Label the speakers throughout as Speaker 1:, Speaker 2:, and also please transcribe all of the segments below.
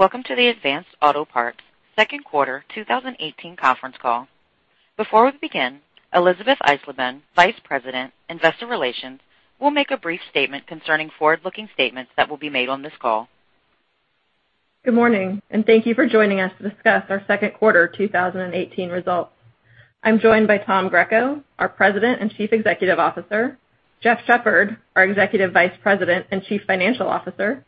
Speaker 1: Welcome to the Advance Auto Parts second quarter 2018 conference call. Before we begin, Elisabeth Eisleben, Vice President, Investor Relations, will make a brief statement concerning forward-looking statements that will be made on this call.
Speaker 2: Good morning. Thank you for joining us to discuss our second quarter 2018 results. I'm joined by Tom Greco, our President and Chief Executive Officer, Jeff Shepherd, our Executive Vice President and Chief Financial Officer,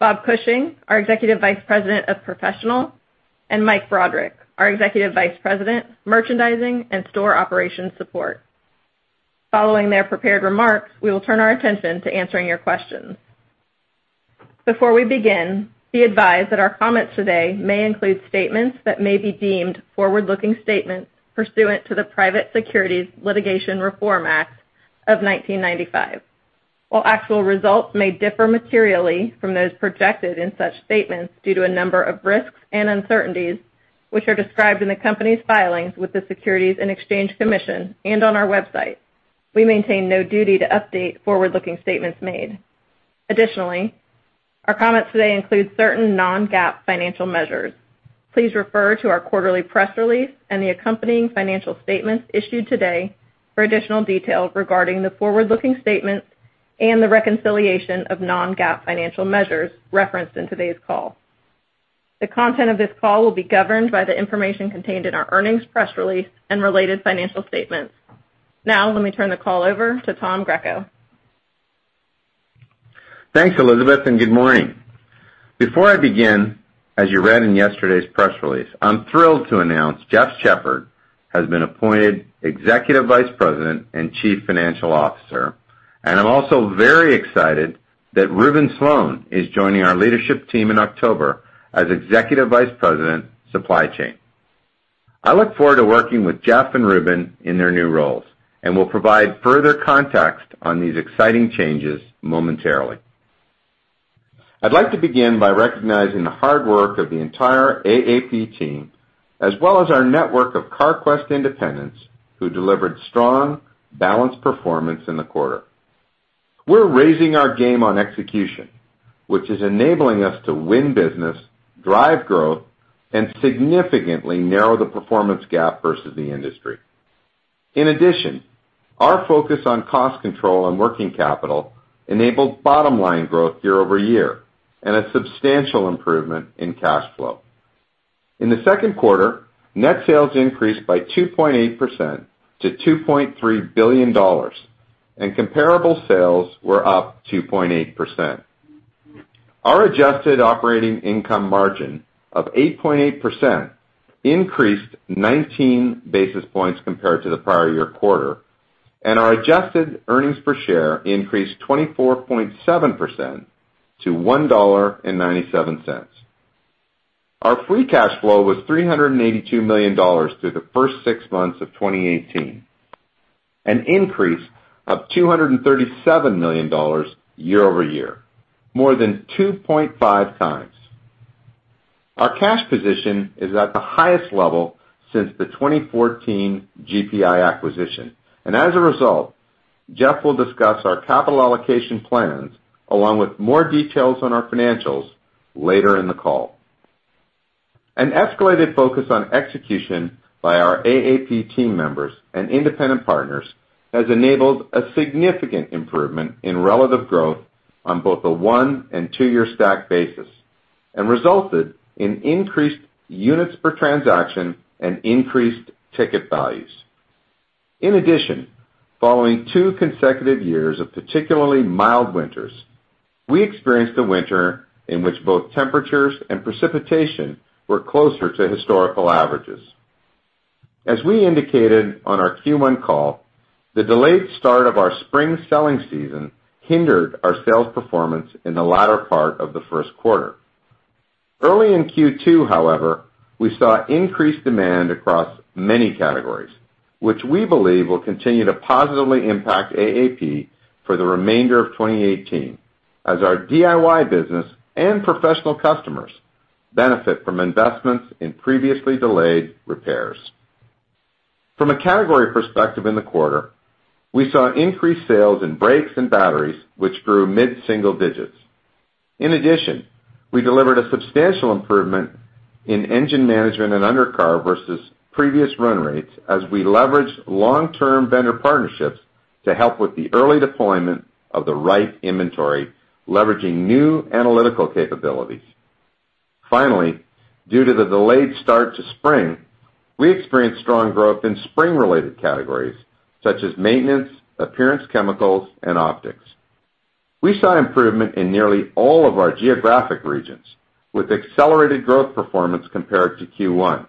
Speaker 2: Bob Cushing, our Executive Vice President of Professional, and Mike Broderick, our Executive Vice President, Merchandising and Store Operation Support. Following their prepared remarks, we will turn our attention to answering your questions. Before we begin, be advised that our comments today may include statements that may be deemed forward-looking statements pursuant to the Private Securities Litigation Reform Act of 1995. While actual results may differ materially from those projected in such statements due to a number of risks and uncertainties, which are described in the company's filings with the Securities and Exchange Commission and on our website, we maintain no duty to update forward-looking statements made. Additionally, our comments today include certain non-GAAP financial measures. Please refer to our quarterly press release and the accompanying financial statements issued today for additional details regarding the forward-looking statements and the reconciliation of non-GAAP financial measures referenced in today's call. The content of this call will be governed by the information contained in our earnings press release and related financial statements. Now, let me turn the call over to Tom Greco.
Speaker 3: Thanks, Elisabeth. Good morning. Before I begin, as you read in yesterday's press release, I'm thrilled to announce Jeff Shepherd has been appointed Executive Vice President and Chief Financial Officer, and I'm also very excited that Reuben Slone is joining our leadership team in October as Executive Vice President, Supply Chain. I look forward to working with Jeff and Reuben in their new roles and will provide further context on these exciting changes momentarily. I'd like to begin by recognizing the hard work of the entire AAP team, as well as our network of Carquest independents who delivered strong, balanced performance in the quarter. We're raising our game on execution, which is enabling us to win business, drive growth, and significantly narrow the performance gap versus the industry. In addition, our focus on cost control and working capital enabled bottom-line growth year-over-year, a substantial improvement in cash flow. In the second quarter, net sales increased by 2.8% to $2.3 billion, and comparable sales were up 2.8%. Our adjusted operating income margin of 8.8% increased 19 basis points compared to the prior year quarter, and our adjusted earnings per share increased 24.7% to $1.97. Our free cash flow was $382 million through the first six months of 2018, an increase of $237 million year-over-year, more than 2.5 times. Our cash position is at the highest level since the 2014 GPI acquisition. As a result, Jeff will discuss our capital allocation plans along with more details on our financials later in the call. An escalated focus on execution by our AAP team members and independent partners has enabled a significant improvement in relative growth on both the one- and two-year stack basis, and resulted in increased units per transaction and increased ticket values. In addition, following two consecutive years of particularly mild winters, we experienced a winter in which both temperatures and precipitation were closer to historical averages. As we indicated on our Q1 call, the delayed start of our spring selling season hindered our sales performance in the latter part of the first quarter. Early in Q2, however, we saw increased demand across many categories, which we believe will continue to positively impact AAP for the remainder of 2018, as our DIY business and professional customers benefit from investments in previously delayed repairs. From a category perspective in the quarter, we saw increased sales in brakes and batteries, which grew mid-single digits. In addition, we delivered a substantial improvement in engine management and undercar versus previous run rates as we leveraged long-term vendor partnerships to help with the early deployment of the right inventory, leveraging new analytical capabilities. Finally, due to the delayed start to spring, we experienced strong growth in spring-related categories such as maintenance, appearance chemicals, and optics. We saw improvement in nearly all of our geographic regions with accelerated growth performance compared to Q1,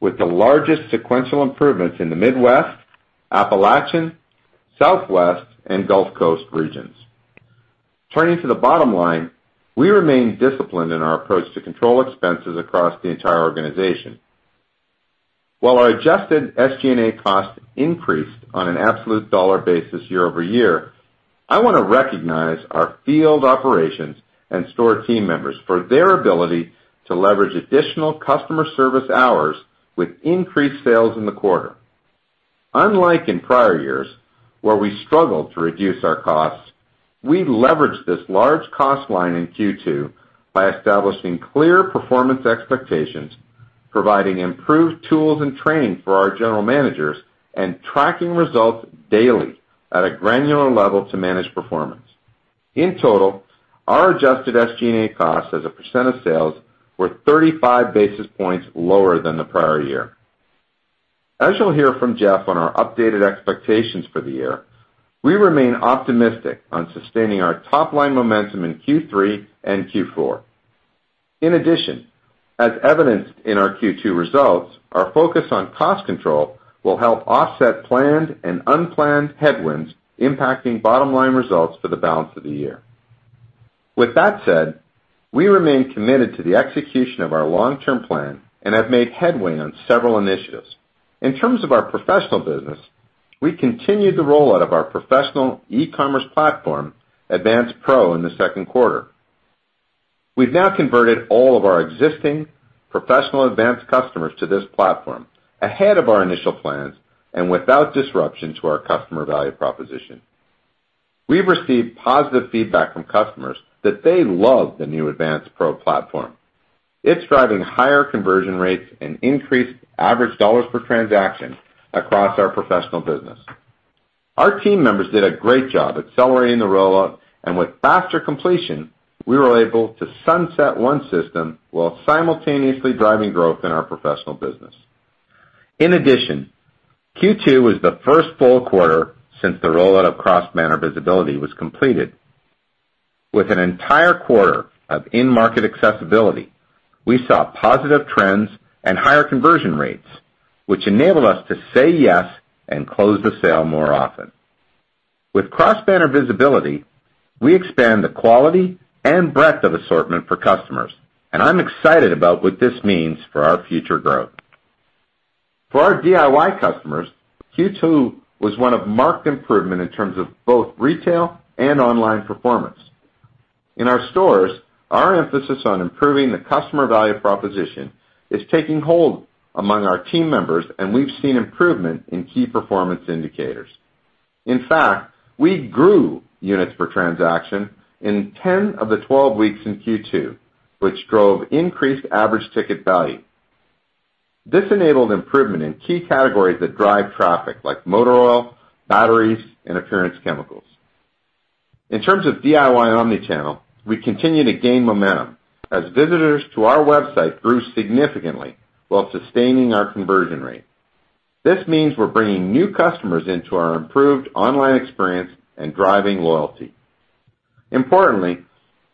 Speaker 3: with the largest sequential improvements in the Midwest, Appalachian, Southwest, and Gulf Coast regions. Turning to the bottom line, we remain disciplined in our approach to control expenses across the entire organization. While our adjusted SG&A costs increased on an absolute dollar basis year-over-year, I want to recognize our field operations and store team members for their ability to leverage additional customer service hours with increased sales in the quarter. Unlike in prior years where we struggled to reduce our costs, we leveraged this large cost line in Q2 by establishing clear performance expectations, providing improved tools and training for our general managers, and tracking results daily at a granular level to manage performance. In total, our adjusted SG&A costs as a percent of sales were 35 basis points lower than the prior year. As you'll hear from Jeff on our updated expectations for the year, we remain optimistic on sustaining our top-line momentum in Q3 and Q4. In addition, as evidenced in our Q2 results, our focus on cost control will help offset planned and unplanned headwinds impacting bottom-line results for the balance of the year. With that said, we remain committed to the execution of our long-term plan and have made headway on several initiatives. In terms of our professional business, we continued the rollout of our professional e-commerce platform, Advance Pro, in the second quarter. We've now converted all of our existing professional Advance customers to this platform ahead of our initial plans and without disruption to our customer value proposition. We've received positive feedback from customers that they love the new Advance Pro platform. It's driving higher conversion rates and increased average dollars per transaction across our professional business. Our team members did a great job accelerating the rollout. With faster completion, we were able to sunset one system while simultaneously driving growth in our professional business. Q2 was the first full quarter since the rollout of cross-banner visibility was completed. With an entire quarter of in-market accessibility, we saw positive trends and higher conversion rates, which enabled us to say yes and close the sale more often. With cross-banner visibility, we expand the quality and breadth of assortment for customers. I'm excited about what this means for our future growth. For our DIY customers, Q2 was one of marked improvement in terms of both retail and online performance. In our stores, our emphasis on improving the customer value proposition is taking hold among our team members. We've seen improvement in key performance indicators. In fact, we grew units per transaction in 10 of the 12 weeks in Q2, which drove increased average ticket value. This enabled improvement in key categories that drive traffic like motor oil, batteries, and appearance chemicals. In terms of DIY omni-channel, we continue to gain momentum as visitors to our website grew significantly while sustaining our conversion rate. This means we're bringing new customers into our improved online experience and driving loyalty.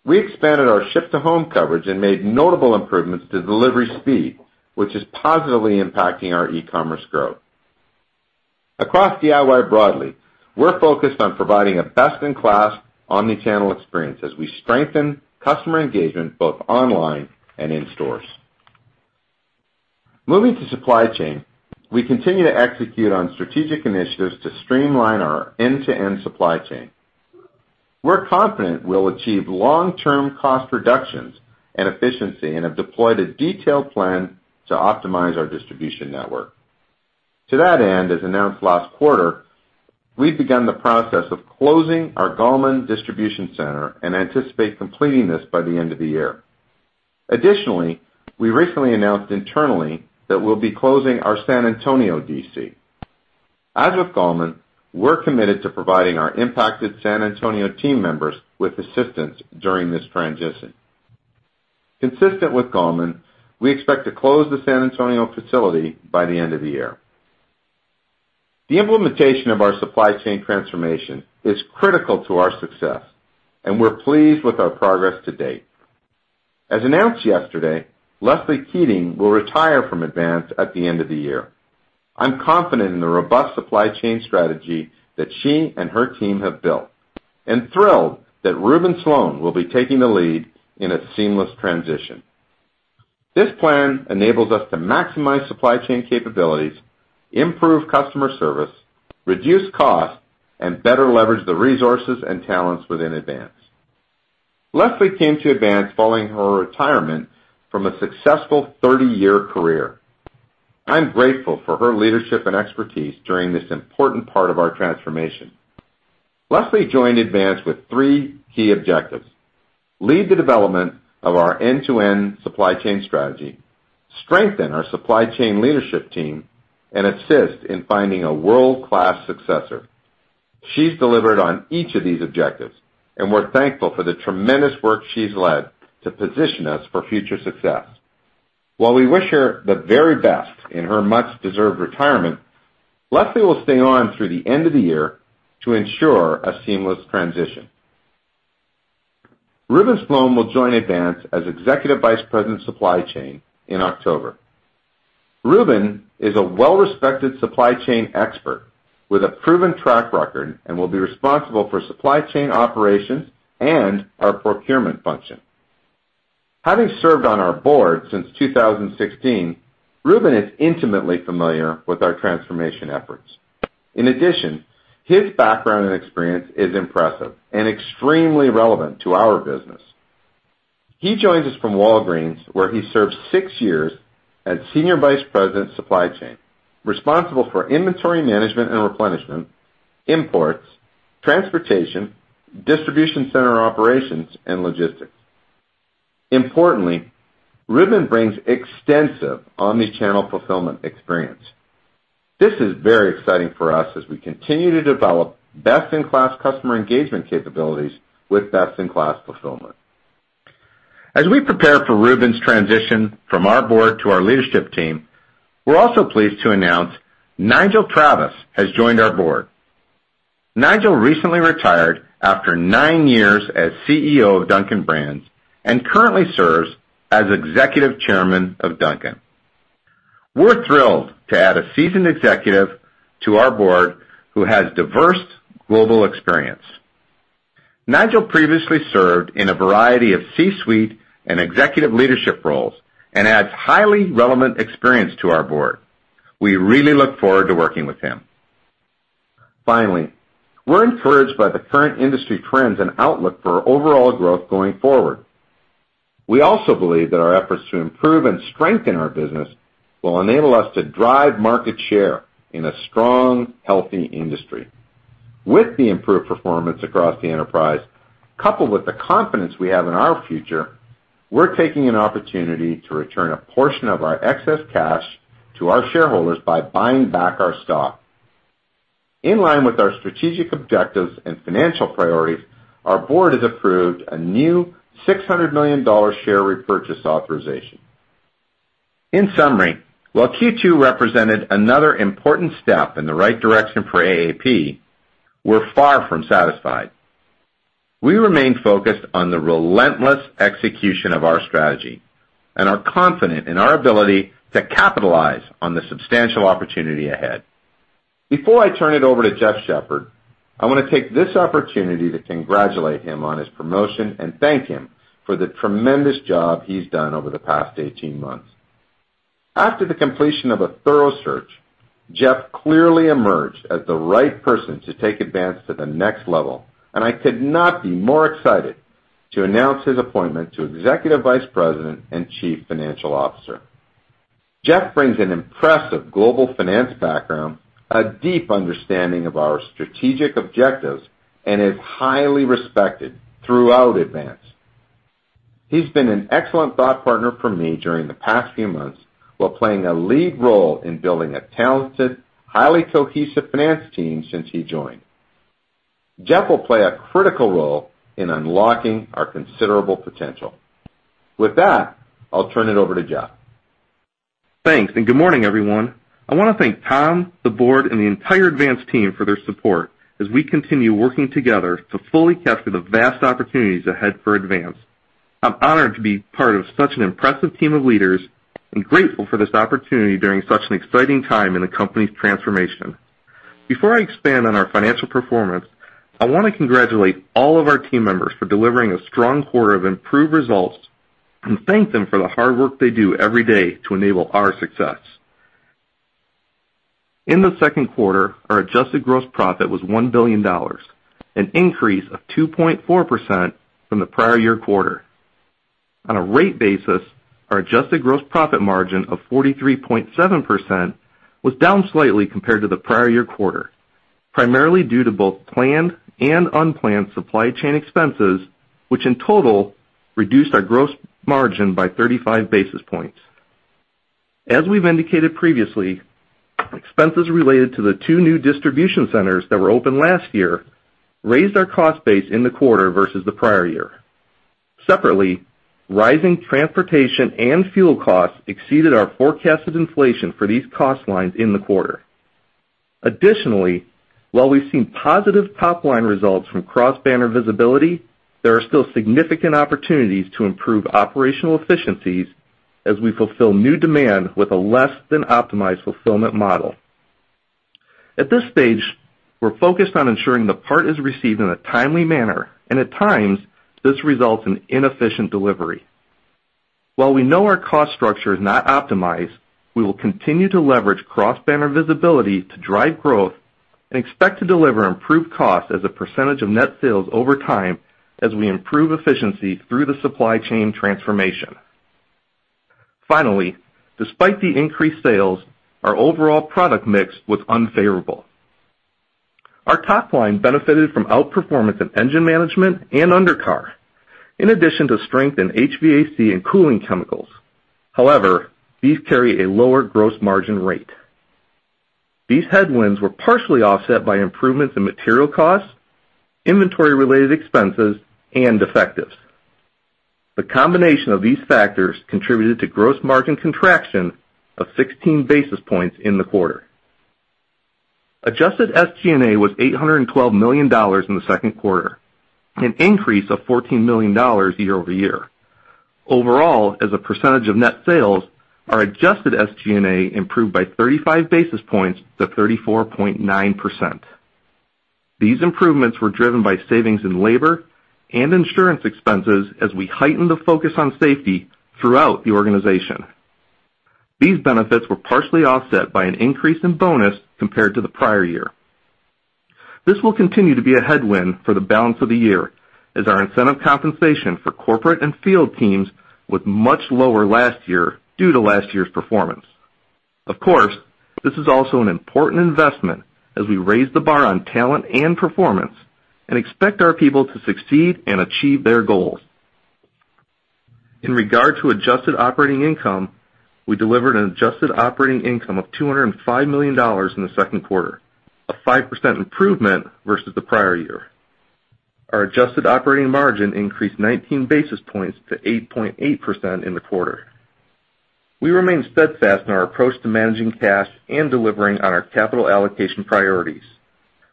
Speaker 3: We expanded our ship-to-home coverage and made notable improvements to delivery speed, which is positively impacting our e-commerce growth. Across DIY broadly, we're focused on providing a best-in-class omni-channel experience as we strengthen customer engagement both online and in stores. Moving to supply chain, we continue to execute on strategic initiatives to streamline our end-to-end supply chain. We're confident we'll achieve long-term cost reductions and efficiency. We have deployed a detailed plan to optimize our distribution network. To that end, as announced last quarter, we've begun the process of closing our Gallman distribution center and anticipate completing this by the end of the year. We recently announced internally that we'll be closing our San Antonio DC. As with Gallman, we're committed to providing our impacted San Antonio team members with assistance during this transition. Consistent with Gallman, we expect to close the San Antonio facility by the end of the year. The implementation of our supply chain transformation is critical to our success. We're pleased with our progress to date. As announced yesterday, Leslie Keating will retire from Advance at the end of the year. I'm confident in the robust supply chain strategy that she and her team have built. I'm thrilled that Reuben Slone will be taking the lead in a seamless transition. This plan enables us to maximize supply chain capabilities, improve customer service, reduce costs, and better leverage the resources and talents within Advance. Leslie came to Advance following her retirement from a successful 30-year career. I'm grateful for her leadership and expertise during this important part of our transformation. Leslie joined Advance with three key objectives: lead the development of our end-to-end supply chain strategy, strengthen our supply chain leadership team, and assist in finding a world-class successor. She's delivered on each of these objectives, and we're thankful for the tremendous work she's led to position us for future success. While we wish her the very best in her much-deserved retirement, Leslie will stay on through the end of the year to ensure a seamless transition. Reuben Slone will join Advance as Executive Vice President of Supply Chain in October. Reuben is a well-respected supply chain expert with a proven track record and will be responsible for supply chain operations and our procurement function. Having served on our board since 2016, Reuben is intimately familiar with our transformation efforts. In addition, his background and experience is impressive and extremely relevant to our business. He joins us from Walgreens, where he served six years as Senior Vice President Supply Chain, responsible for inventory management and replenishment, imports, transportation, distribution center operations, and logistics. Importantly, Reuben brings extensive omni-channel fulfillment experience. This is very exciting for us as we continue to develop best-in-class customer engagement capabilities with best-in-class fulfillment. As we prepare for Reuben's transition from our board to our leadership team, we're also pleased to announce Nigel Travis has joined our board. Nigel recently retired after nine years as CEO of Dunkin' Brands and currently serves as Executive Chairman of Dunkin'. We're thrilled to add a seasoned executive to our board who has diverse global experience. Nigel previously served in a variety of C-suite and executive leadership roles and adds highly relevant experience to our board. We really look forward to working with him. Finally, we're encouraged by the current industry trends and outlook for overall growth going forward. We also believe that our efforts to improve and strengthen our business will enable us to drive market share in a strong, healthy industry. With the improved performance across the enterprise, coupled with the confidence we have in our future, we're taking an opportunity to return a portion of our excess cash to our shareholders by buying back our stock. In line with our strategic objectives and financial priorities, our board has approved a new $600 million share repurchase authorization. In summary, while Q2 represented another important step in the right direction for AAP, we're far from satisfied. We remain focused on the relentless execution of our strategy and are confident in our ability to capitalize on the substantial opportunity ahead. Before I turn it over to Jeff Shepherd, I want to take this opportunity to congratulate him on his promotion and thank him for the tremendous job he's done over the past 18 months. After the completion of a thorough search, Jeff clearly emerged as the right person to take Advance to the next level, and I could not be more excited to announce his appointment to Executive Vice President and Chief Financial Officer. Jeff brings an impressive global finance background, a deep understanding of our strategic objectives, and is highly respected throughout Advance. He's been an excellent thought partner for me during the past few months while playing a lead role in building a talented, highly cohesive finance team since he joined. Jeff will play a critical role in unlocking our considerable potential. With that, I'll turn it over to Jeff.
Speaker 4: Thanks. Good morning, everyone. I want to thank Tom, the board, and the entire Advance team for their support as we continue working together to fully capture the vast opportunities ahead for Advance. I'm honored to be part of such an impressive team of leaders and grateful for this opportunity during such an exciting time in the company's transformation. Before I expand on our financial performance, I want to congratulate all of our team members for delivering a strong quarter of improved results and thank them for the hard work they do every day to enable our success. In the second quarter, our adjusted gross profit was $1 billion, an increase of 2.4% from the prior year quarter. On a rate basis, our adjusted gross profit margin of 43.7% was down slightly compared to the prior year quarter, primarily due to both planned and unplanned supply chain expenses, which in total, reduced our gross margin by 35 basis points. As we've indicated previously, expenses related to the two new distribution centers that were opened last year raised our cost base in the quarter versus the prior year. Separately, rising transportation and fuel costs exceeded our forecasted inflation for these cost lines in the quarter. Additionally, while we've seen positive top-line results from cross-banner visibility, there are still significant opportunities to improve operational efficiencies as we fulfill new demand with a less-than-optimized fulfillment model. At this stage, we're focused on ensuring the part is received in a timely manner, and at times, this results in inefficient delivery. While we know our cost structure is not optimized, we will continue to leverage cross-banner visibility to drive growth and expect to deliver improved cost as a percentage of net sales over time as we improve efficiency through the supply chain transformation. Finally, despite the increased sales, our overall product mix was unfavorable. Our top line benefited from outperformance in engine management and undercar, in addition to strength in HVAC and cooling chemicals. However, these carry a lower gross margin rate. These headwinds were partially offset by improvements in material costs, inventory-related expenses, and defectives. The combination of these factors contributed to gross margin contraction of 16 basis points in the quarter. Adjusted SG&A was $812 million in the second quarter, an increase of $14 million year-over-year. Overall, as a percentage of net sales, our adjusted SG&A improved by 35 basis points to 34.9%. These improvements were driven by savings in labor and insurance expenses as we heightened the focus on safety throughout the organization. These benefits were partially offset by an increase in bonus compared to the prior year. This will continue to be a headwind for the balance of the year as our incentive compensation for corporate and field teams was much lower last year due to last year's performance. Of course, this is also an important investment as we raise the bar on talent and performance and expect our people to succeed and achieve their goals. In regard to adjusted operating income, we delivered an adjusted operating income of $205 million in the second quarter, a 5% improvement versus the prior year. Our adjusted operating margin increased 19 basis points to 8.8% in the quarter. We remain steadfast in our approach to managing cash and delivering on our capital allocation priorities.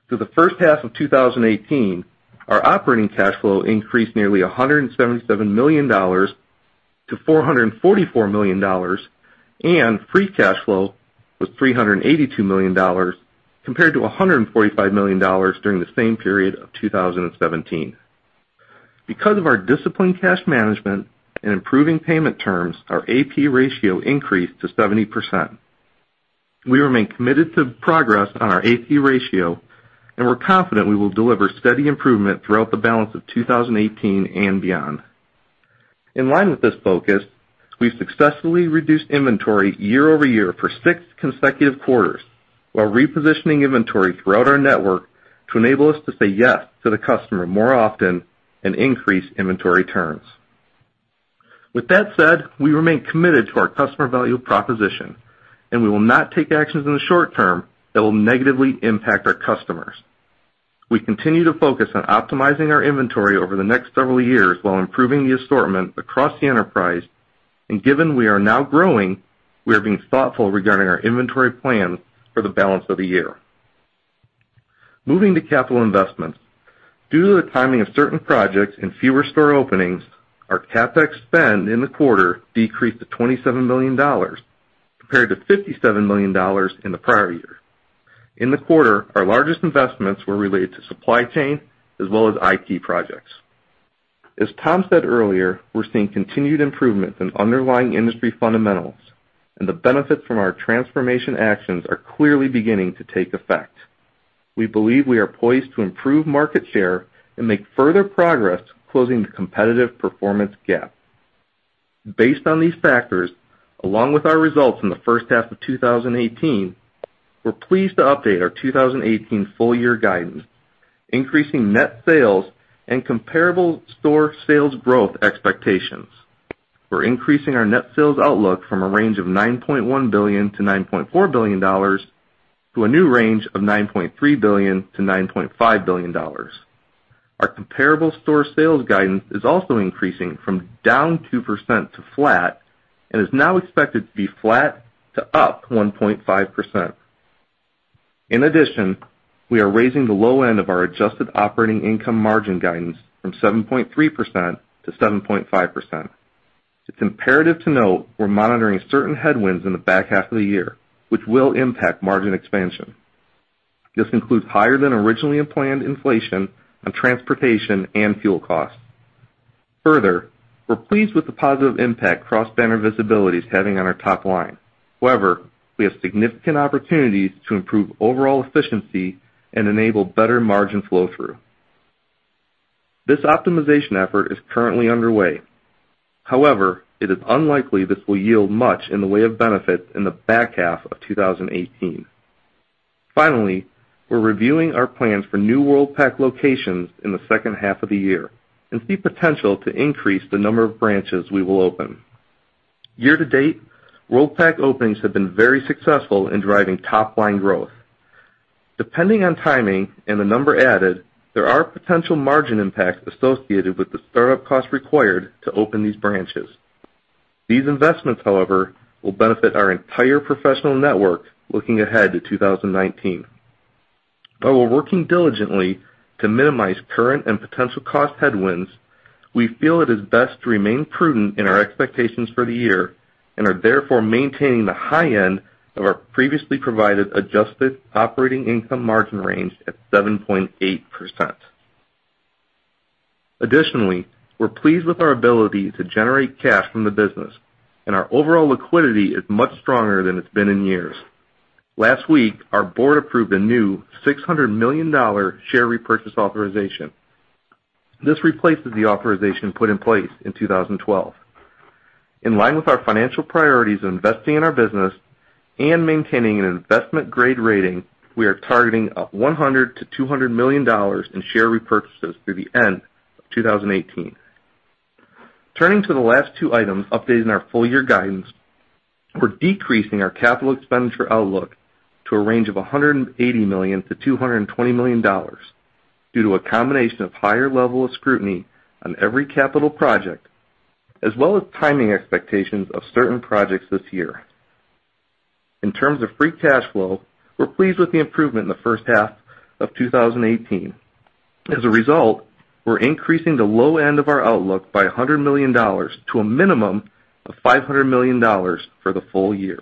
Speaker 4: Through the first half of 2018, our operating cash flow increased nearly $177 million to $444 million, and free cash flow was $382 million, compared to $145 million during the same period of 2017. Because of our disciplined cash management and improving payment terms, our AP ratio increased to 70%. We remain committed to progress on our AP ratio. We're confident we will deliver steady improvement throughout the balance of 2018 and beyond. In line with this focus, we've successfully reduced inventory year-over-year for six consecutive quarters while repositioning inventory throughout our network to enable us to say yes to the customer more often and increase inventory turns. With that said, we remain committed to our customer value proposition. We will not take actions in the short term that will negatively impact our customers. We continue to focus on optimizing our inventory over the next several years while improving the assortment across the enterprise. Given we are now growing, we are being thoughtful regarding our inventory plans for the balance of the year. Moving to capital investments. Due to the timing of certain projects and fewer store openings, our CapEx spend in the quarter decreased to $27 million, compared to $57 million in the prior year. In the quarter, our largest investments were related to supply chain as well as IT projects. As Tom said earlier, we're seeing continued improvements in underlying industry fundamentals. The benefits from our transformation actions are clearly beginning to take effect. We believe we are poised to improve market share and make further progress closing the competitive performance gap. Based on these factors, along with our results in the first half of 2018, we're pleased to update our 2018 full year guidance, increasing net sales and comparable store sales growth expectations. We're increasing our net sales outlook from a range of $9.1 billion to $9.4 billion to a new range of $9.3 billion to $9.5 billion. Our comparable store sales guidance is also increasing from down 2% to flat. Is now expected to be flat to up 1.5%. In addition, we are raising the low end of our adjusted operating income margin guidance from 7.3% to 7.5%. It's imperative to note we're monitoring certain headwinds in the back half of the year, which will impact margin expansion. This includes higher than originally planned inflation on transportation and fuel costs. Further, we're pleased with the positive impact cross-banner visibility is having on our top line. However, we have significant opportunities to improve overall efficiency and enable better margin flow-through. This optimization effort is currently underway. However, it is unlikely this will yield much in the way of benefits in the back half of 2018. Finally, we're reviewing our plans for new Worldpac locations in the second half of the year. See potential to increase the number of branches we will open. Year to date, Worldpac openings have been very successful in driving top-line growth. Depending on timing and the number added, there are potential margin impacts associated with the startup costs required to open these branches. These investments, however, will benefit our entire professional network looking ahead to 2019. Though we're working diligently to minimize current and potential cost headwinds, we feel it is best to remain prudent in our expectations for the year and are therefore maintaining the high end of our previously provided adjusted operating income margin range at 7.8%. Additionally, we're pleased with our ability to generate cash from the business, and our overall liquidity is much stronger than it's been in years. Last week, our board approved a new $600 million share repurchase authorization. This replaces the authorization put in place in 2012. In line with our financial priorities of investing in our business and maintaining an investment-grade rating, we are targeting $100 million-$200 million in share repurchases through the end of 2018. Turning to the last two items updating our full year guidance. We're decreasing our capital expenditure outlook to a range of $180 million-$220 million due to a combination of higher level of scrutiny on every capital project, as well as timing expectations of certain projects this year. In terms of free cash flow, we're pleased with the improvement in the first half of 2018. As a result, we're increasing the low end of our outlook by $100 million to a minimum of $500 million for the full year.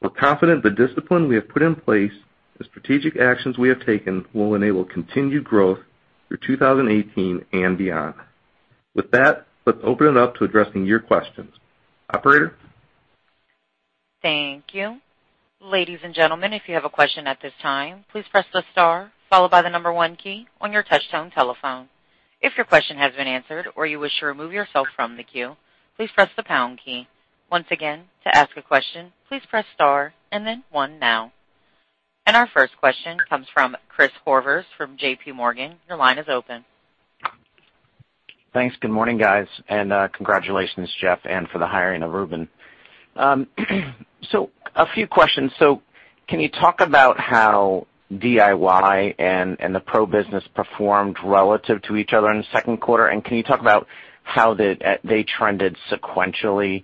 Speaker 4: We're confident the discipline we have put in place, the strategic actions we have taken, will enable continued growth through 2018 and beyond. Let's open it up to addressing your questions. Operator?
Speaker 1: Thank you. Ladies and gentlemen, if you have a question at this time, please press the star followed by the number 1 key on your touchtone telephone. If your question has been answered or you wish to remove yourself from the queue, please press the pound key. Once again, to ask a question, please press star and then 1 now. Our first question comes from Chris Horvers from JPMorgan. Your line is open.
Speaker 5: Thanks. Good morning, guys, congratulations, Jeff, and for the hiring of Reuben. A few questions. Can you talk about how DIY and the pro business performed relative to each other in the second quarter? Can you talk about how they trended sequentially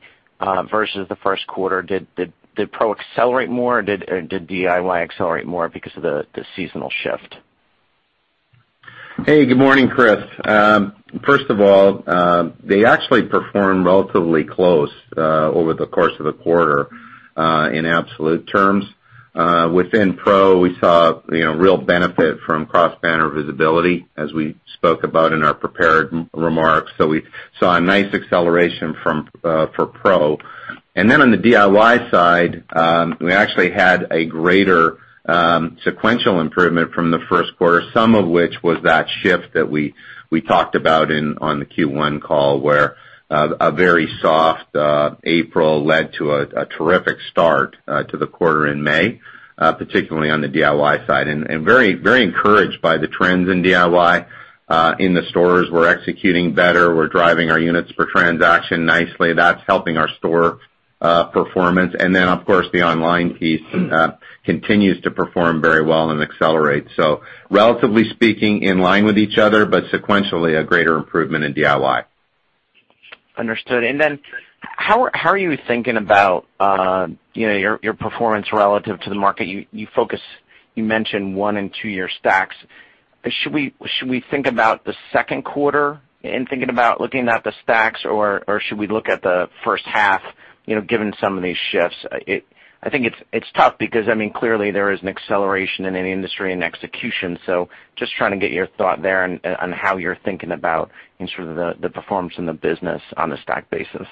Speaker 5: versus the first quarter? Did pro accelerate more, or did DIY accelerate more because of the seasonal shift?
Speaker 3: Hey, good morning, Chris. First of all, they actually performed relatively close, over the course of the quarter, in absolute terms. Within pro, we saw real benefit from cross-banner visibility, as we spoke about in our prepared remarks. We saw a nice acceleration for pro. On the DIY side, we actually had a greater sequential improvement from the first quarter, some of which was that shift that we talked about on the Q1 call, where a very soft April led to a terrific start to the quarter in May, particularly on the DIY side, and very encouraged by the trends in DIY in the stores. We're executing better. We're driving our units per transaction nicely. That's helping our store performance. Of course, the online piece continues to perform very well and accelerate. Relatively speaking, in line with each other, but sequentially a greater improvement in DIY.
Speaker 5: Understood. How are you thinking about your performance relative to the market? You mentioned one- and two-year stacks. Should we think about the second quarter in thinking about looking at the stacks, or should we look at the first half, given some of these shifts? I think it's tough because, clearly there is an acceleration in any industry and execution. Just trying to get your thought there on how you're thinking about the performance in the business on the stack basis.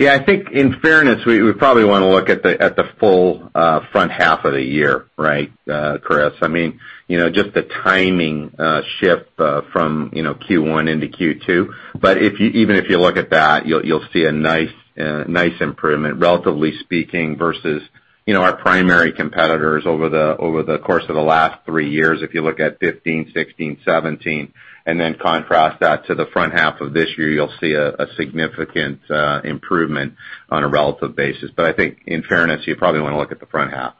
Speaker 3: Yeah, I think in fairness, we probably want to look at the full front half of the year. Right, Chris? Just the timing shift from Q1 into Q2. Even if you look at that, you'll see a nice improvement, relatively speaking, versus our primary competitors over the course of the last three years. If you look at 2015, 2016, 2017, and then contrast that to the front half of this year, you'll see a significant improvement on a relative basis. I think in fairness, you probably want to look at the front half.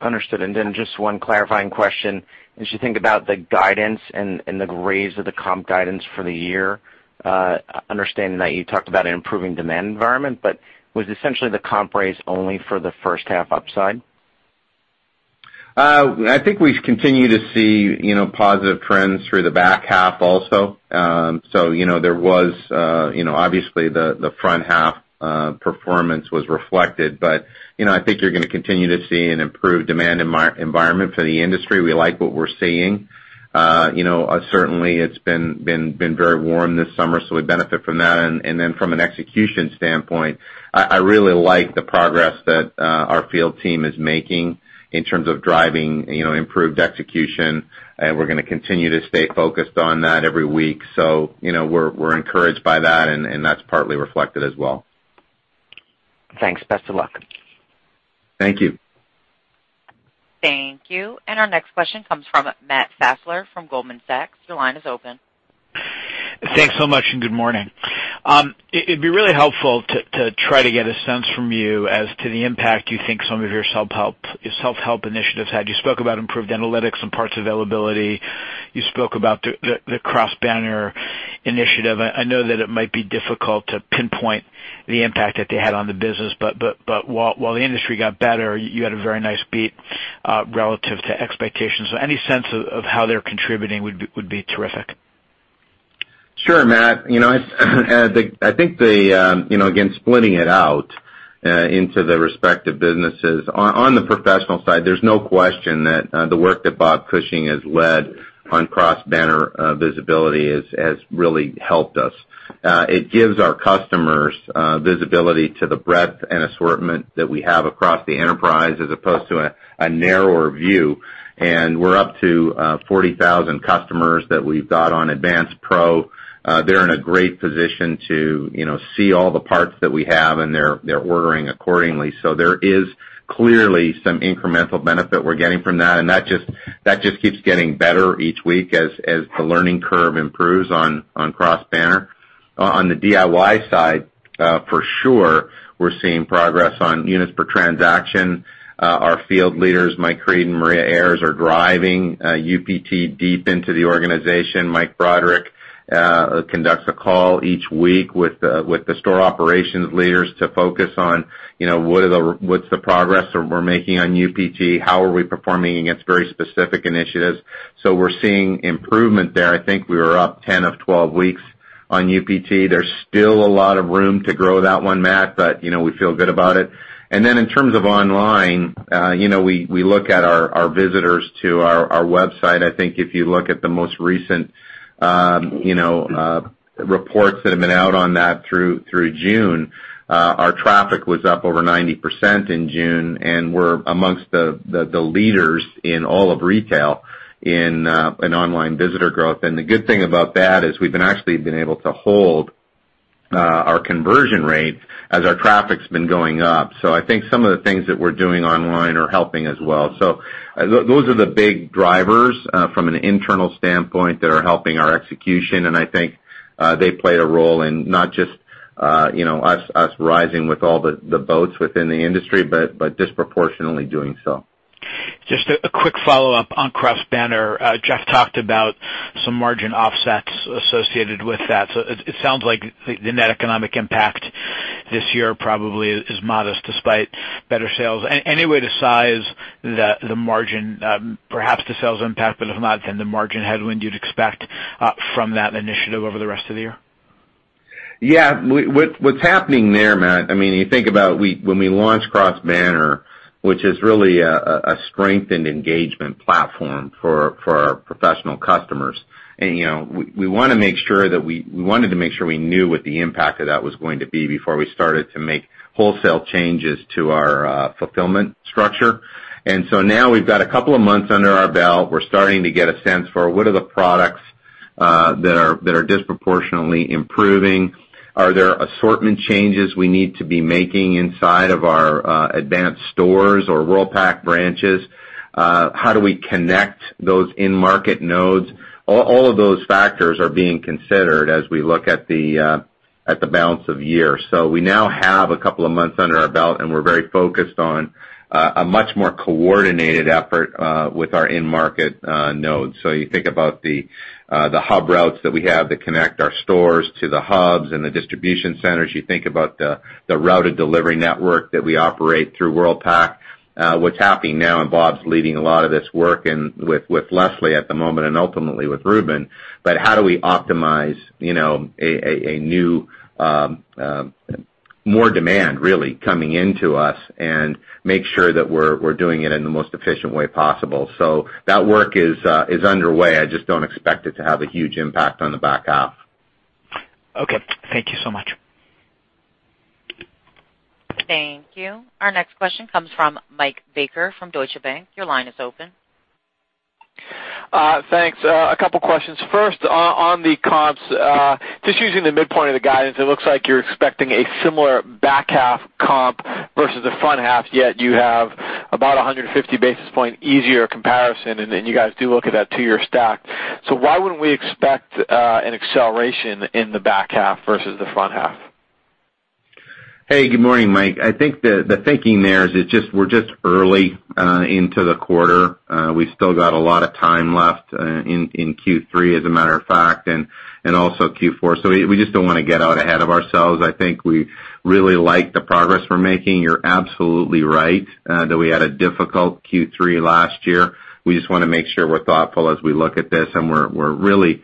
Speaker 5: Understood. Just one clarifying question, as you think about the guidance and the raise of the comp guidance for the year, understanding that you talked about an improving demand environment, but was essentially the comp raise only for the first half upside?
Speaker 3: I think we've continued to see positive trends through the back half also. There was, obviously the front half performance was reflected, but I think you're going to continue to see an improved demand environment for the industry. We like what we're seeing. Certainly it's been very warm this summer, so we benefit from that. From an execution standpoint, I really like the progress that our field team is making in terms of driving improved execution, and we're going to continue to stay focused on that every week. We're encouraged by that, and that's partly reflected as well.
Speaker 5: Thanks. Best of luck.
Speaker 3: Thank you.
Speaker 1: Thank you. Our next question comes from Matthew Fassler from Goldman Sachs. Your line is open.
Speaker 6: Thanks so much, and good morning. It'd be really helpful to try to get a sense from you as to the impact you think some of your self-help initiatives had. You spoke about improved analytics and parts availability. You spoke about the cross-banner initiative. I know that it might be difficult to pinpoint the impact that they had on the business, but while the industry got better, you had a very nice beat relative to expectations. Any sense of how they're contributing would be terrific.
Speaker 3: Sure, Matt. I think, again, splitting it out into the respective businesses. On the professional side, there's no question that the work that Bob Cushing has led on cross-banner visibility has really helped us. It gives our customers visibility to the breadth and assortment that we have across the enterprise as opposed to a narrower view. We're up to 40,000 customers that we've got on Advance Pro. They're in a great position to see all the parts that we have, and they're ordering accordingly. There is clearly some incremental benefit we're getting from that, and that just keeps getting better each week as the learning curve improves on cross-banner. On the DIY side, for sure, we're seeing progress on units per transaction. Our field leaders, Mike Creed and Maria Ayres, are driving UPT deep into the organization. Mike Broderick conducts a call each week with the store operations leaders to focus on what's the progress that we're making on UPT, how are we performing against very specific initiatives. We're seeing improvement there. I think we were up 10 of 12 weeks On UPT, there's still a lot of room to grow that one, Matt, but we feel good about it. Then in terms of online, we look at our visitors to our website. I think if you look at the most recent reports that have been out on that through June, our traffic was up over 90% in June, and we're amongst the leaders in all of retail in online visitor growth. The good thing about that is we've been actually been able to hold our conversion rate as our traffic's been going up. I think some of the things that we're doing online are helping as well. Those are the big drivers from an internal standpoint that are helping our execution, and I think they play a role in not just us rising with all the boats within the industry, but disproportionately doing so.
Speaker 6: Just a quick follow-up on cross-banner. Jeff talked about some margin offsets associated with that. It sounds like the net economic impact this year probably is modest despite better sales. Any way to size the margin, perhaps the sales impact, but if not, then the margin headwind you'd expect from that initiative over the rest of the year?
Speaker 3: What's happening there, Matt, you think about when we launched cross-banner, which is really a strengthened engagement platform for our professional customers. We wanted to make sure we knew what the impact of that was going to be before we started to make wholesale changes to our fulfillment structure. Now we've got a couple of months under our belt. We're starting to get a sense for what are the products that are disproportionately improving. Are there assortment changes we need to be making inside of our Advance stores or Worldpac branches? How do we connect those in-market nodes? All of those factors are being considered as we look at the balance of the year. We now have a couple of months under our belt, and we're very focused on a much more coordinated effort with our in-market nodes. You think about the hub routes that we have that connect our stores to the hubs and the distribution centers. You think about the routed delivery network that we operate through Worldpac. What's happening now, and Bob's leading a lot of this work with Leslie at the moment and ultimately with Reuben, how do we optimize a new, more demand really coming into us and make sure that we're doing it in the most efficient way possible. That work is underway. I just don't expect it to have a huge impact on the back half.
Speaker 6: Okay. Thank you so much.
Speaker 1: Thank you. Our next question comes from Michael Baker from Deutsche Bank. Your line is open.
Speaker 7: Thanks. A couple of questions. First, on the comps, just using the midpoint of the guidance, it looks like you're expecting a similar back half comp versus the front half, yet you have about 150 basis point easier comparison, and you guys do look at that two-year stack. Why wouldn't we expect an acceleration in the back half versus the front half?
Speaker 3: Hey, good morning, Mike. I think the thinking there is we're just early into the quarter. We still got a lot of time left in Q3, as a matter of fact, and also Q4. We just don't want to get out ahead of ourselves. I think we really like the progress we're making. You're absolutely right that we had a difficult Q3 last year. We just want to make sure we're thoughtful as we look at this, and we're really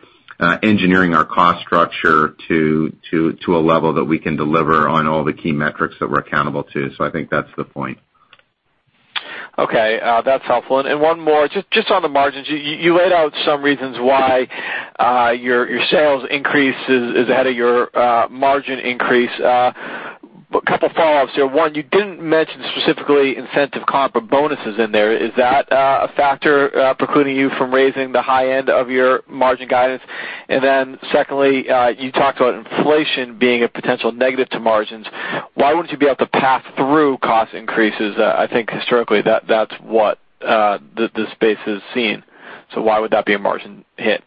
Speaker 3: engineering our cost structure to a level that we can deliver on all the key metrics that we're accountable to. I think that's the point.
Speaker 7: Okay, that's helpful. One more, just on the margins. You laid out some reasons why your sales increase is ahead of your margin increase. A couple follow-ups here. One, you didn't mention specifically incentive comp or bonuses in there. Is that a factor precluding you from raising the high end of your margin guidance? Secondly, you talked about inflation being a potential negative to margins. Why wouldn't you be able to pass through cost increases? I think historically, that's what the space has seen. Why would that be a margin hit?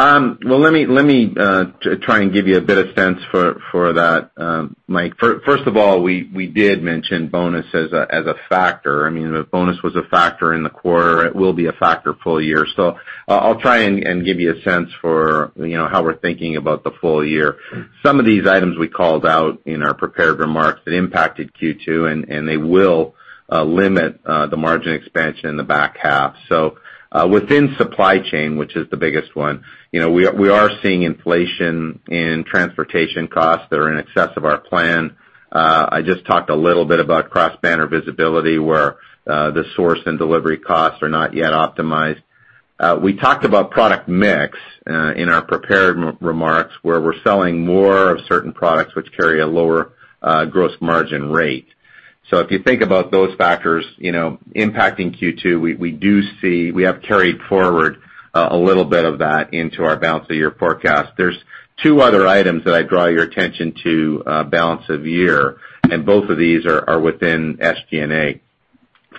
Speaker 3: Well, let me try and give you a bit of sense for that, Mike. First of all, we did mention bonus as a factor. Bonus was a factor in the quarter. It will be a factor full year. I'll try and give you a sense for how we're thinking about the full year. Some of these items we called out in our prepared remarks that impacted Q2, and they will limit the margin expansion in the back half. Within supply chain, which is the biggest one, we are seeing inflation in transportation costs that are in excess of our plan. I just talked a little bit about cross-banner visibility, where the source and delivery costs are not yet optimized. We talked about product mix in our prepared remarks, where we're selling more of certain products which carry a lower gross margin rate. If you think about those factors impacting Q2, we have carried forward a little bit of that into our balance of year forecast. There's two other items that I draw your attention to balance of year, and both of these are within SG&A.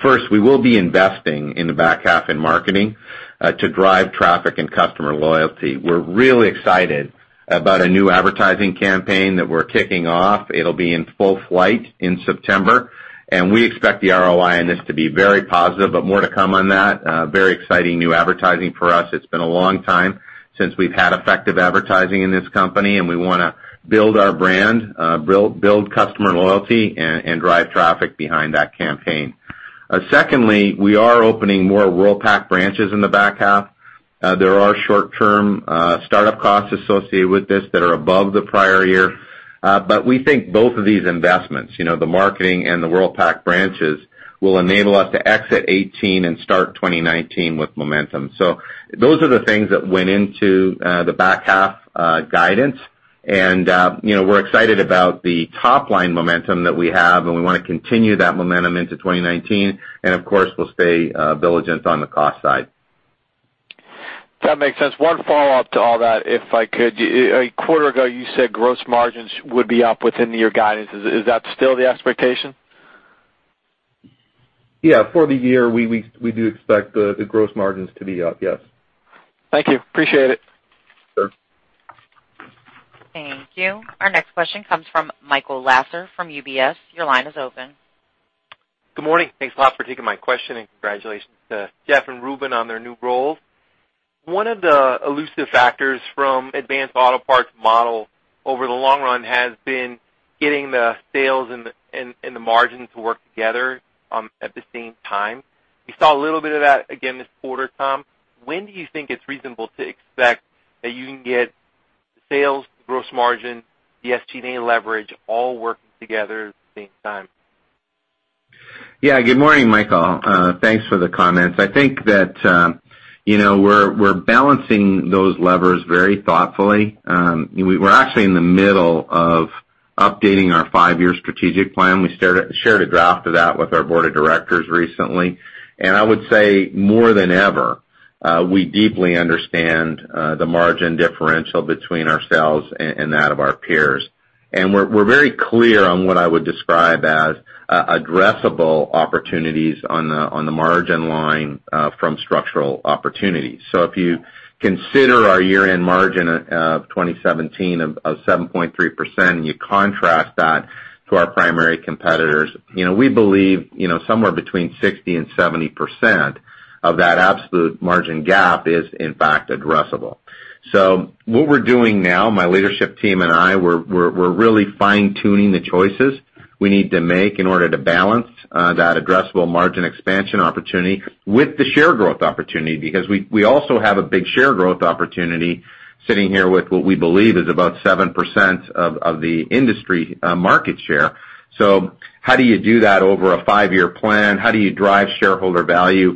Speaker 3: First, we will be investing in the back half in marketing to drive traffic and customer loyalty. We're really excited about a new advertising campaign that we're kicking off. It'll be in full flight in September, and we expect the ROI on this to be very positive, but more to come on that. Very exciting new advertising for us. It's been a long time since we've had effective advertising in this company, and we want to build our brand, build customer loyalty, and drive traffic behind that campaign. Secondly, we are opening more Worldpac branches in the back half. There are short-term startup costs associated with this that are above the prior year. We think both of these investments, the marketing and the Worldpac branches, will enable us to exit 2018 and start 2019 with momentum. Those are the things that went into the back-half guidance, and we're excited about the top-line momentum that we have, and we want to continue that momentum into 2019. Of course, we'll stay diligent on the cost side.
Speaker 7: That makes sense. One follow-up to all that, if I could. A quarter ago, you said gross margins would be up within your guidance. Is that still the expectation?
Speaker 4: Yeah, for the year, we do expect the gross margins to be up, yes.
Speaker 7: Thank you. Appreciate it.
Speaker 4: Sure.
Speaker 1: Thank you. Our next question comes from Michael Lasser from UBS. Your line is open.
Speaker 8: Good morning. Thanks a lot for taking my question, and congratulations to Jeff and Reuben on their new roles. One of the elusive factors from Advance Auto Parts' model over the long run has been getting the sales and the margin to work together at the same time. We saw a little bit of that again this quarter, Tom. When do you think it's reasonable to expect that you can get sales, gross margin, SG&A, and leverage all working together at the same time?
Speaker 3: Good morning, Michael. Thanks for the comments. I think that we're balancing those levers very thoughtfully. We're actually in the middle of updating our five-year strategic plan. We shared a draft of that with our board of directors recently. I would say, more than ever, we deeply understand the margin differential between ourselves and that of our peers. We're very clear on what I would describe as addressable opportunities on the margin line from structural opportunities. If you consider our year-end margin of 2017 of 7.3%, and you contrast that to our primary competitors, we believe somewhere between 60% and 70% of that absolute margin gap is, in fact, addressable. What we're doing now, my leadership team and I, we're really fine-tuning the choices we need to make in order to balance that addressable margin expansion opportunity with the share growth opportunity. We also have a big share growth opportunity sitting here with what we believe is about 7% of the industry market share. How do you do that over a five-year plan? How do you drive shareholder value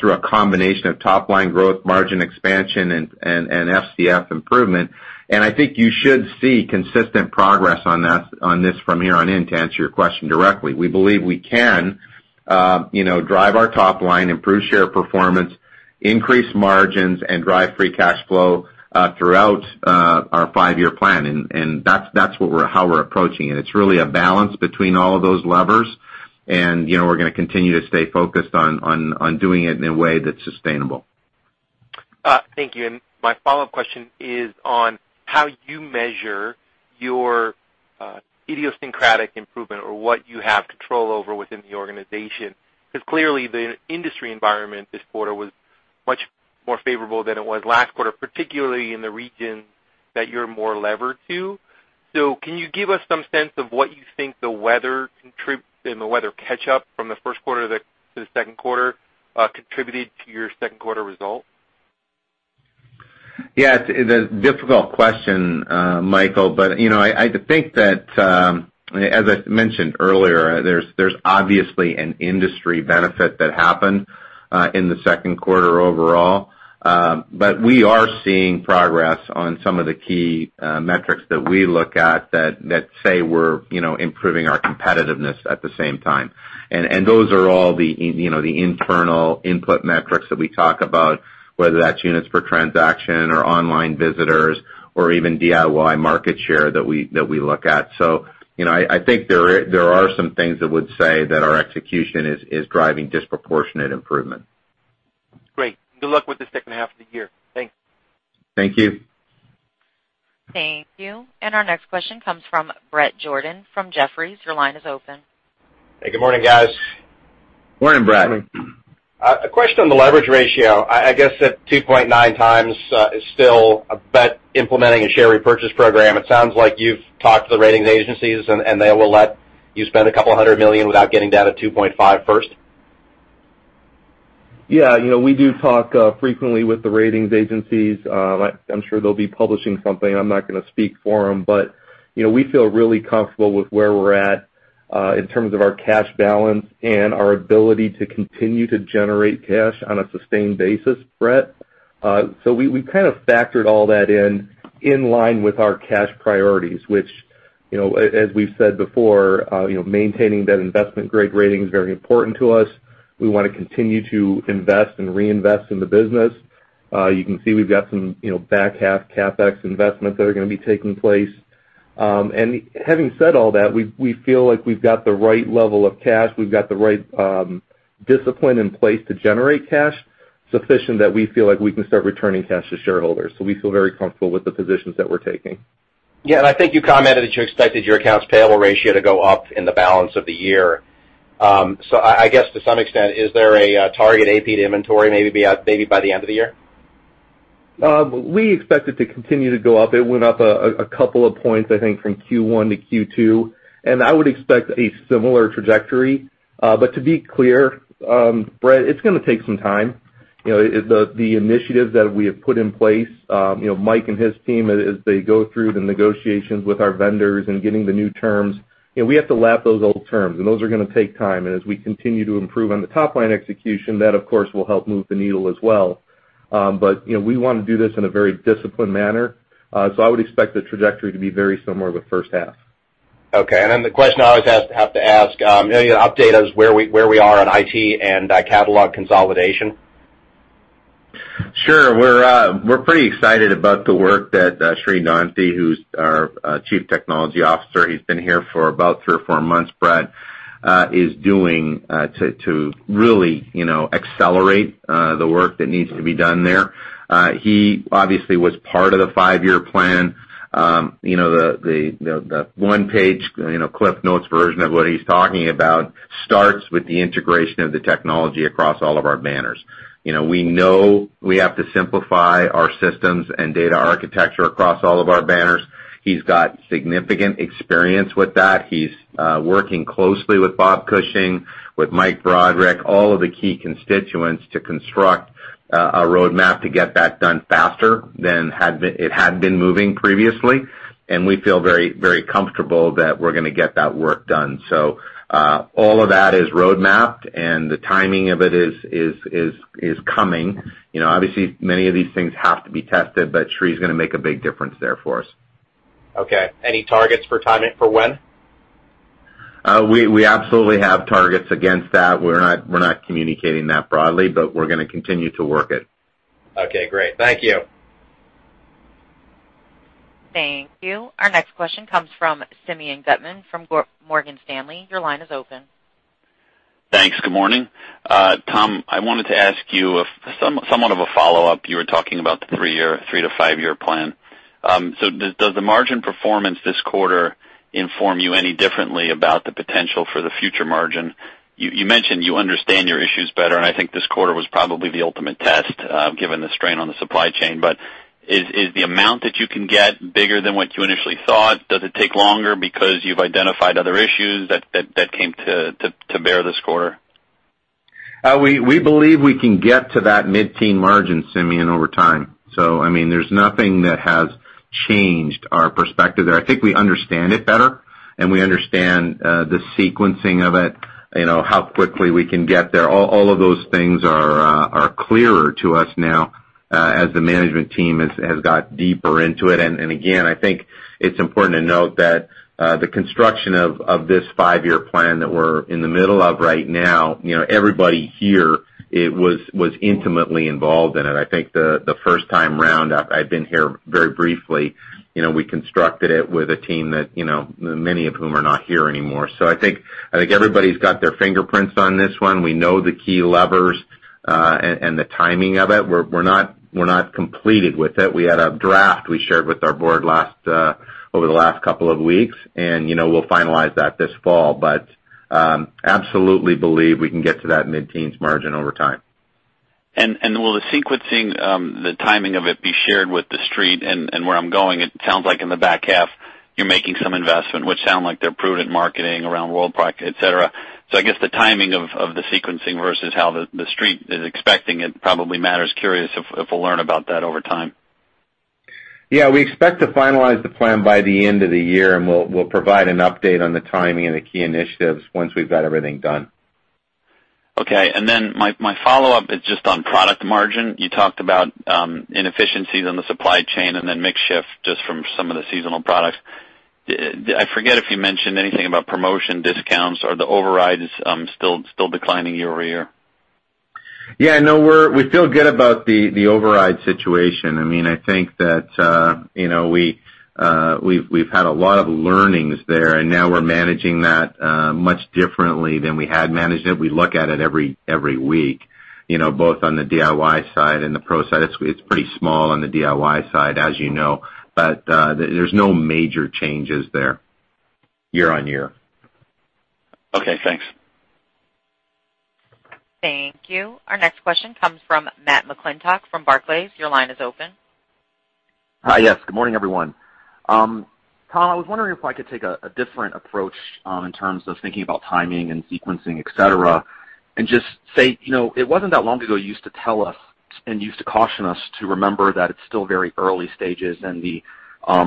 Speaker 3: through a combination of top-line growth, margin expansion, and FCF improvement? I think you should see consistent progress on this from here on in, to answer your question directly. We believe we can drive our top line, improve share performance, increase margins, and drive free cash flow throughout our five-year plan, and that's how we're approaching it. It's really a balance between all of those levers, and we're going to continue to stay focused on doing it in a way that's sustainable.
Speaker 8: Thank you. My follow-up question is on how you measure your idiosyncratic improvement or what you have control over within the organization. Clearly, the industry environment this quarter was much more favorable than it was last quarter, particularly in the regions that you're more levered to. Can you give us some sense of what you think the weather catch-up from the first quarter to the second quarter contributed to your second quarter result?
Speaker 3: Yeah. It's a difficult question, Michael, but I think that, as I mentioned earlier, there's obviously an industry benefit that happened in the second quarter overall. We are seeing progress on some of the key metrics that we look at that say we're improving our competitiveness at the same time. Those are all the internal input metrics that we talk about, whether that's units per transaction or online visitors or even DIY market share that we look at. I think there are some things that would say that our execution is driving disproportionate improvement.
Speaker 8: Great. Good luck with the second half of the year. Thanks.
Speaker 3: Thank you.
Speaker 1: Thank you. Our next question comes from Bret Jordan from Jefferies. Your line is open.
Speaker 9: Hey, good morning, guys.
Speaker 3: Morning, Bret.
Speaker 4: Morning.
Speaker 9: A question on the leverage ratio. I guess at 2.9 times is still a bet implementing a share repurchase program. It sounds like you've talked to the ratings agencies, and they will let you spend a couple of $100 million without getting down to 2.5 first?
Speaker 4: Yeah, we do talk frequently with the ratings agencies. I'm sure they'll be publishing something. I'm not going to speak for them, but we feel really comfortable with where we're at in terms of our cash balance and our ability to continue to generate cash on a sustained basis, Brett. We kind of factored all that in line with our cash priorities, which, as we've said before, maintaining that investment-grade rating is very important to us. We want to continue to invest and reinvest in the business. You can see we've got some back-half CapEx investments that are going to be taking place. Having said all that, we feel like we've got the right level of cash. We've got the right discipline in place to generate cash, sufficient that we feel like we can start returning cash to shareholders. We feel very comfortable with the positions that we're taking.
Speaker 9: Yeah, I think you commented that you expected your accounts payable ratio to go up in the balance of the year. I guess to some extent, is there a target AP to inventory maybe by the end of the year?
Speaker 3: We expect it to continue to go up. It went up a couple of points, I think, from Q1 to Q2, I would expect a similar trajectory. To be clear, Bret, it's going to take some time. The initiatives that we have put in place, Mike and his team, as they go through the negotiations with our vendors and getting the new terms, we have to lap those old terms, those are going to take time. As we continue to improve on the top-line execution, that of course will help move the needle as well. We want to do this in a very disciplined manner. I would expect the trajectory to be very similar the first half.
Speaker 9: Okay. The question I always have to ask, any update as where we are on IT and catalog consolidation?
Speaker 3: Sure. We're pretty excited about the work that Srinivasan Nanthi, who's our Chief Technology Officer, he's been here for about three or four months, Bret, is doing to really accelerate the work that needs to be done there. He obviously was part of the five-year plan. The one-page CliffsNotes version of what he's talking about starts with the integration of the technology across all of our banners. We know we have to simplify our systems and data architecture across all of our banners. He's got significant experience with that. He's working closely with Bob Cushing, with Mike Broderick, all of the key constituents to construct a roadmap to get that done faster than it had been moving previously. We feel very comfortable that we're going to get that work done. All of that is roadmapped, and the timing of it is coming. Obviously, many of these things have to be tested, Sri's going to make a big difference there for us.
Speaker 9: Okay. Any targets for timing for when?
Speaker 3: We absolutely have targets against that. We're not communicating that broadly, we're going to continue to work it.
Speaker 9: Okay, great. Thank you.
Speaker 1: Thank you. Our next question comes from Simeon Gutman from Morgan Stanley. Your line is open.
Speaker 10: Thanks. Good morning. Tom, I wanted to ask you somewhat of a follow-up. You were talking about the 3- to 5-year plan. Does the margin performance this quarter inform you any differently about the potential for the future margin? You mentioned you understand your issues better, and I think this quarter was probably the ultimate test, given the strain on the supply chain. Is the amount that you can get bigger than what you initially thought? Does it take longer because you've identified other issues that came to bear this quarter?
Speaker 3: We believe we can get to that mid-teen margin, Simeon, over time. There's nothing that has changed our perspective there. I think we understand it better, and we understand the sequencing of it, how quickly we can get there. All of those things are clearer to us now as the management team has got deeper into it. Again, I think it's important to note that the construction of this 5-year plan that we're in the middle of right now, everybody here was intimately involved in it. I think the first time round, I'd been here very briefly. We constructed it with a team that many of whom are not here anymore. I think everybody's got their fingerprints on this one. We know the key levers and the timing of it. We're not completed with it. We had a draft we shared with our board over the last couple of weeks, and we'll finalize that this fall. Absolutely believe we can get to that mid-teens margin over time.
Speaker 10: Will the sequencing, the timing of it, be shared with the Street? Where I'm going, it sounds like in the back half, you're making some investment, which sound like they're prudent marketing around Worldpac, et cetera. I guess the timing of the sequencing versus how the Street is expecting it probably matters. Curious if we'll learn about that over time.
Speaker 3: Yeah, we expect to finalize the plan by the end of the year, we'll provide an update on the timing and the key initiatives once we've got everything done.
Speaker 10: Okay. My follow-up is just on product margin. You talked about inefficiencies in the supply chain mix shift just from some of the seasonal products. I forget if you mentioned anything about promotion discounts. Are the overrides still declining year-over-year?
Speaker 3: Yeah, no, we feel good about the override situation. I think that we've had a lot of learnings there, and now we're managing that much differently than we had managed it. We look at it every week, both on the DIY side and the pro side. It's pretty small on the DIY side, as you know. There's no major changes there year-on-year.
Speaker 10: Okay, thanks.
Speaker 1: Thank you. Our next question comes from Matthew McClintock from Barclays. Your line is open.
Speaker 11: Hi. Yes. Good morning, everyone. Tom, I was wondering if I could take a different approach in terms of thinking about timing and sequencing, et cetera, and just say, it wasn't that long ago you used to tell us, and you used to caution us to remember that it's still very early stages in the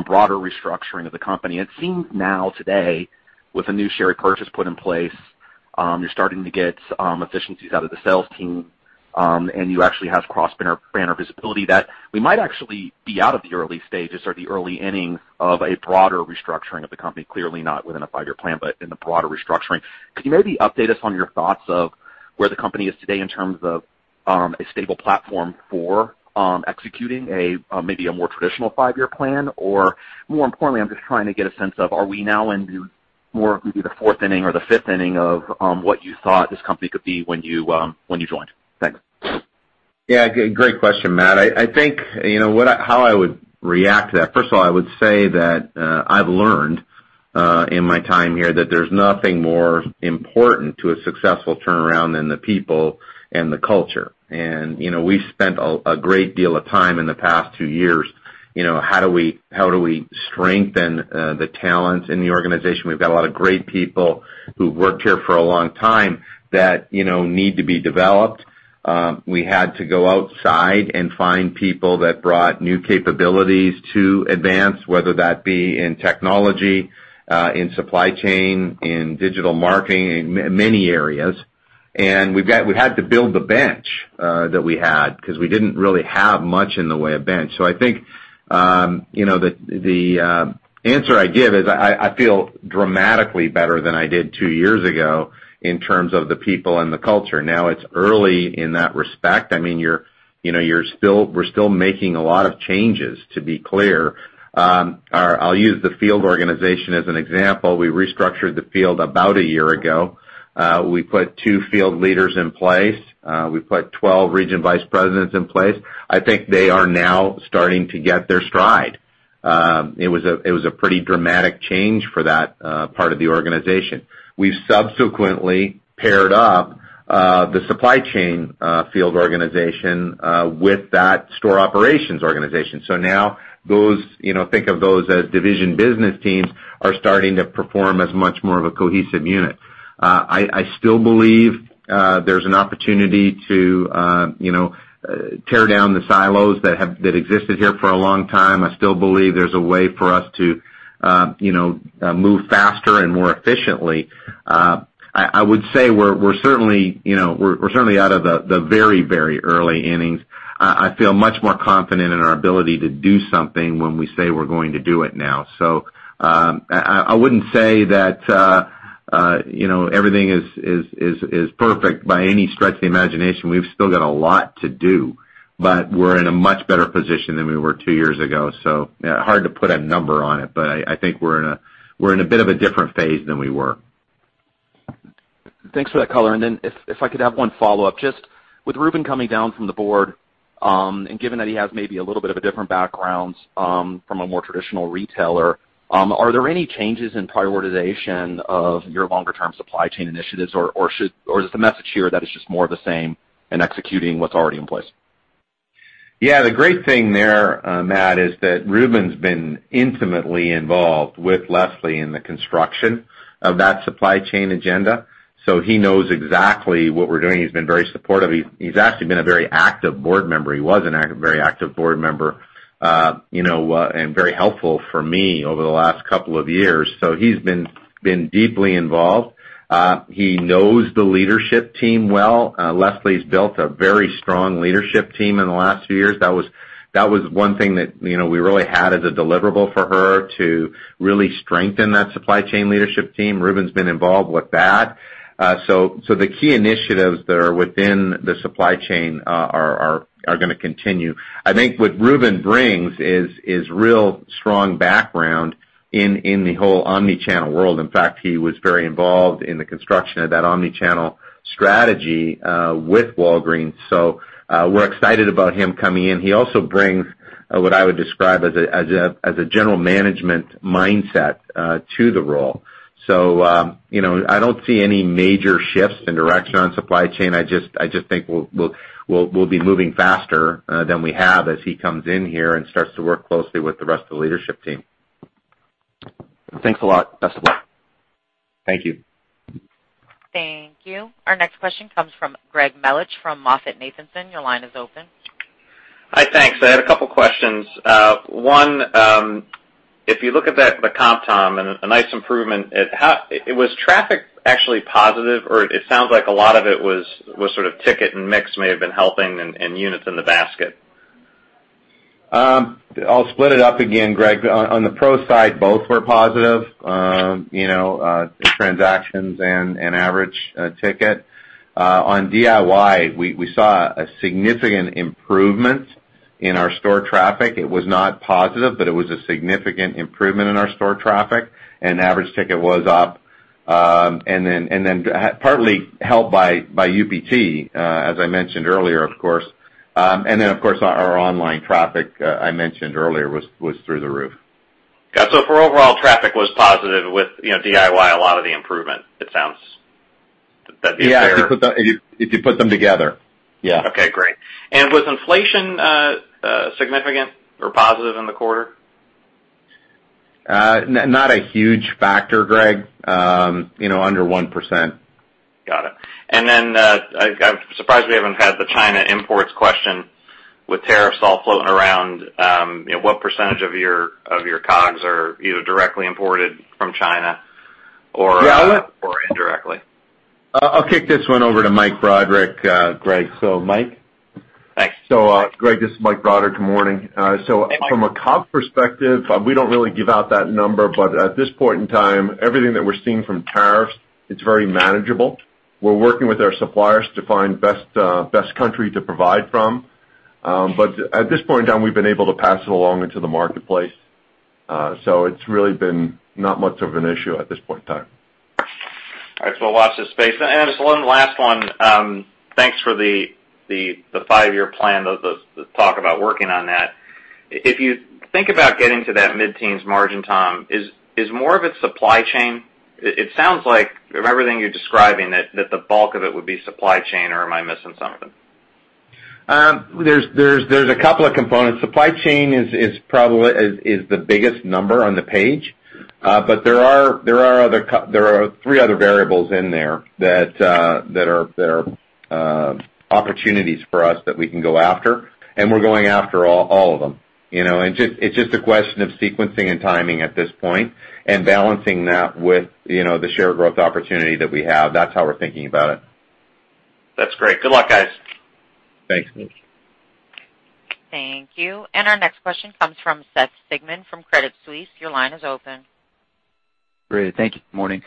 Speaker 11: broader restructuring of the company. It seems now today, with a new share purchase put in place, you're starting to get efficiencies out of the sales team, and you actually have cross-banner visibility that we might actually be out of the early stages or the early innings of a broader restructuring of the company. Clearly not within a five-year plan, but in the broader restructuring. Could you maybe update us on your thoughts of where the company is today in terms of a stable platform for executing maybe a more traditional five-year plan? More importantly, I'm just trying to get a sense of, are we now into more of maybe the fourth inning or the fifth inning of what you thought this company could be when you joined? Thanks.
Speaker 3: Yeah, great question, Matt. I think how I would react to that, first of all, I would say that I've learned in my time here that there's nothing more important to a successful turnaround than the people and the culture. We've spent a great deal of time in the past 2 years, how do we strengthen the talent in the organization? We've got a lot of great people who've worked here for a long time that need to be developed. We had to go outside and find people that brought new capabilities to Advance, whether that be in technology, in supply chain, in digital marketing, in many areas. We've had to build the bench that we had because we didn't really have much in the way of bench. I think the answer I give is I feel dramatically better than I did 2 years ago in terms of the people and the culture. Now it's early in that respect. We're still making a lot of changes, to be clear. I'll use the field organization as an example. We restructured the field about a year ago. We put two field leaders in place. We put 12 region vice presidents in place. I think they are now starting to get their stride. It was a pretty dramatic change for that part of the organization. We've subsequently paired up the supply chain field organization with that store operations organization. Now, think of those as division business teams are starting to perform as much more of a cohesive unit. I still believe there's an opportunity to tear down the silos that existed here for a long time. I still believe there's a way for us to move faster and more efficiently. I would say we're certainly out of the very early innings. I feel much more confident in our ability to do something when we say we're going to do it now. I wouldn't say that everything is perfect by any stretch of the imagination. We've still got a lot to do, but we're in a much better position than we were 2 years ago. Hard to put a number on it, but I think we're in a bit of a different phase than we were.
Speaker 11: Thanks for that color. If I could have one follow-up. Just with Reuben coming down from the Board, and given that he has maybe a little bit of a different background from a more traditional retailer, are there any changes in prioritization of your longer-term supply chain initiatives? Or is the message here that it's just more of the same and executing what's already in place?
Speaker 3: The great thing there, Matt, is that Reuben's been intimately involved with Leslie in the construction of that supply chain agenda. He knows exactly what we're doing. He's been very supportive. He's actually been a very active Board member. He was a very active Board member and very helpful for me over the last couple of years. He's been deeply involved. He knows the leadership team well. Leslie's built a very strong leadership team in the last few years. That was one thing that we really had as a deliverable for her to really strengthen that supply chain leadership team. Reuben's been involved with that. The key initiatives that are within the supply chain are going to continue. I think what Reuben brings is real strong background in the whole omni-channel world. In fact, he was very involved in the construction of that omni-channel strategy with Walgreens. We're excited about him coming in. He also brings what I would describe as a general management mindset to the role. I don't see any major shifts in direction on supply chain. I just think we'll be moving faster than we have as he comes in here and starts to work closely with the rest of the leadership team.
Speaker 11: Thanks a lot. Best of luck.
Speaker 3: Thank you.
Speaker 1: Thank you. Our next question comes from Greg Melich from MoffettNathanson. Your line is open.
Speaker 12: Hi, thanks. I had a couple questions. One, if you look at the comp, Tom, and a nice improvement, was traffic actually positive? Or it sounds like a lot of it was sort of ticket and mix may have been helping and units in the basket.
Speaker 3: I'll split it up again, Greg. On the pro side, both were positive, transactions and average ticket. On DIY, we saw a significant improvement in our store traffic. It was not positive, but it was a significant improvement in our store traffic, and average ticket was up. Partly helped by UPT, as I mentioned earlier, of course. Of course, our online traffic I mentioned earlier was through the roof.
Speaker 12: Got it. For overall, traffic was positive with DIY a lot of the improvement, it sounds. That'd be a fair?
Speaker 3: Yeah, if you put them together. Yeah.
Speaker 12: Okay, great. Was inflation significant or positive in the quarter?
Speaker 3: Not a huge factor, Greg. Under 1%.
Speaker 12: Got it. I'm surprised we haven't had the China imports question with tariffs all floating around. What % of your COGS are either directly imported from China or indirectly?
Speaker 3: I'll kick this one over to Mike Broderick, Greg. Mike?
Speaker 12: Thanks.
Speaker 13: Greg, this is Mike Broderick. Good morning.
Speaker 12: Hey, Mike.
Speaker 13: From a COGS perspective, we don't really give out that number, but at this point in time, everything that we're seeing from tariffs, it's very manageable. We're working with our suppliers to find best country to provide from. At this point in time, we've been able to pass it along into the marketplace. It's really been not much of an issue at this point in time.
Speaker 12: All right. We'll watch this space. Just one last one. Thanks for the 5-year plan, the talk about working on that. If you think about getting to that mid-teens margin, Tom, is more of it supply chain? It sounds like, of everything you're describing, that the bulk of it would be supply chain, or am I missing something?
Speaker 3: There's a couple of components. Supply chain is the biggest number on the page. There are three other variables in there that are opportunities for us that we can go after, and we're going after all of them. It's just a question of sequencing and timing at this point and balancing that with the share growth opportunity that we have. That's how we're thinking about it.
Speaker 12: That's great. Good luck, guys.
Speaker 3: Thanks, Greg.
Speaker 1: Thank you. Our next question comes from Seth Sigman from Credit Suisse. Your line is open.
Speaker 14: Great. Thank you. Morning.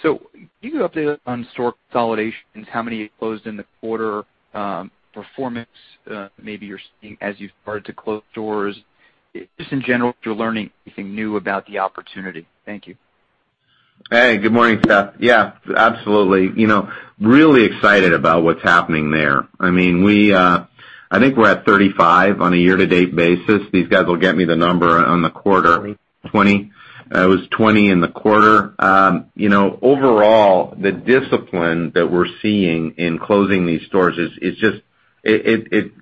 Speaker 14: Can you update us on store consolidations, how many you closed in the quarter, performance maybe you're seeing as you've started to close doors? Just in general, if you're learning anything new about the opportunity. Thank you.
Speaker 3: Hey, good morning, Seth. Yeah, absolutely. Really excited about what's happening there. I think we're at 35 on a year-to-date basis. These guys will get me the number on the quarter. 20. 20. It was 20 in the quarter. Overall, the discipline that we're seeing in closing these stores, it's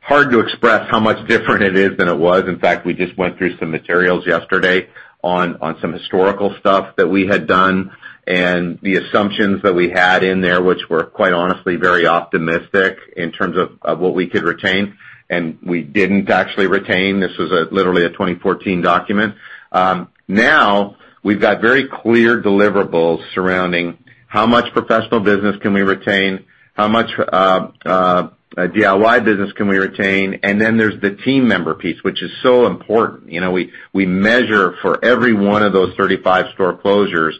Speaker 3: hard to express how much different it is than it was. In fact, we just went through some materials yesterday on some historical stuff that we had done and the assumptions that we had in there, which were quite honestly very optimistic in terms of what we could retain and we didn't actually retain. This was literally a 2014 document. We've got very clear deliverables surrounding how much professional business can we retain, how much DIY business can we retain, and then there's the team member piece, which is so important. We measure for every one of those 35 store closures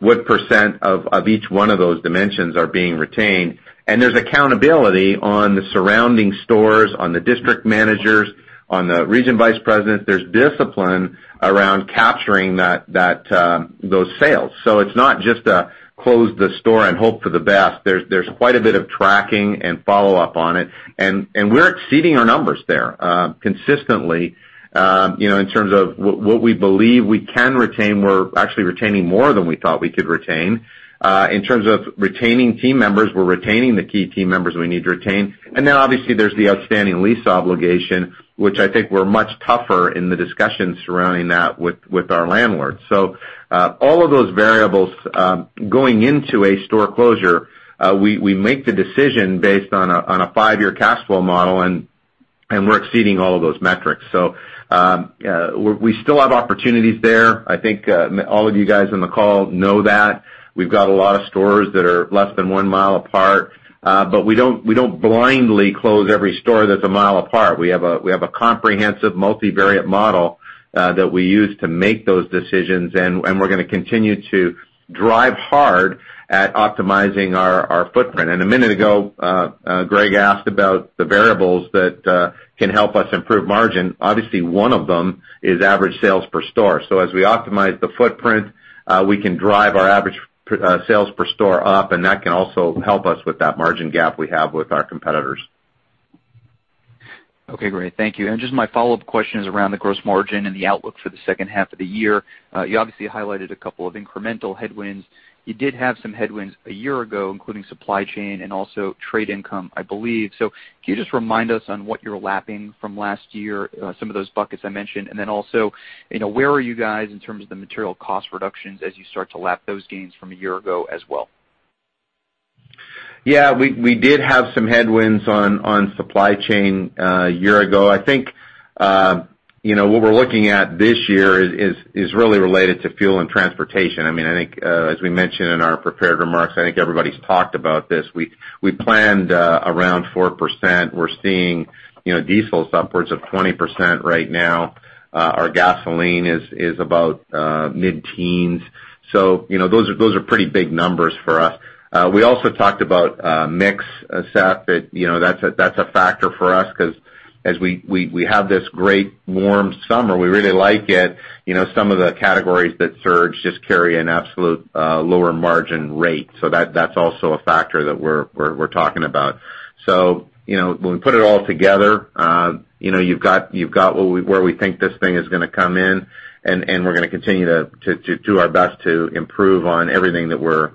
Speaker 3: what % of each one of those dimensions are being retained. There's accountability on the surrounding stores, on the district managers, on the region vice presidents. There's discipline around capturing those sales. It's not just a close the store and hope for the best. There's quite a bit of tracking and follow-up on it, and we're exceeding our numbers there consistently. In terms of what we believe we can retain, we're actually retaining more than we thought we could retain. In terms of retaining team members, we're retaining the key team members we need to retain. Then obviously there's the outstanding lease obligation, which I think we're much tougher in the discussions surrounding that with our landlords. All of those variables going into a store closure, we make the decision based on a five-year cash flow model, and we're exceeding all of those metrics. We still have opportunities there. I think all of you guys on the call know that. We've got a lot of stores that are less than one mile apart, we don't blindly close every store that's a mile apart. We have a comprehensive multivariate model that we use to make those decisions, and we're going to continue to drive hard at optimizing our footprint. A minute ago, Greg asked about the variables that can help us improve margin. Obviously, one of them is average sales per store. As we optimize the footprint, we can drive our average sales per store up, and that can also help us with that margin gap we have with our competitors.
Speaker 14: Okay, great. Thank you. Just my follow-up question is around the gross margin and the outlook for the second half of the year. You obviously highlighted a couple of incremental headwinds. You did have some headwinds a year ago, including supply chain and also trade income, I believe. Can you just remind us on what you're lapping from last year, some of those buckets I mentioned? Then also, where are you guys in terms of the material cost reductions as you start to lap those gains from a year ago as well?
Speaker 3: Yeah, we did have some headwinds on supply chain 1 year ago. I think what we're looking at this year is really related to fuel and transportation. I think as we mentioned in our prepared remarks, I think everybody's talked about this, we planned around 4%. We're seeing diesel's upwards of 20% right now. Our gasoline is about mid-teens. Those are pretty big numbers for us. We also talked about mix, Seth, that's a factor for us because as we have this great warm summer, we really like it. Some of the categories that surge just carry an absolute lower margin rate. That's also a factor that we're talking about. When we put it all together, you've got where we think this thing is going to come in, and we're going to continue to do our best to improve on everything that we're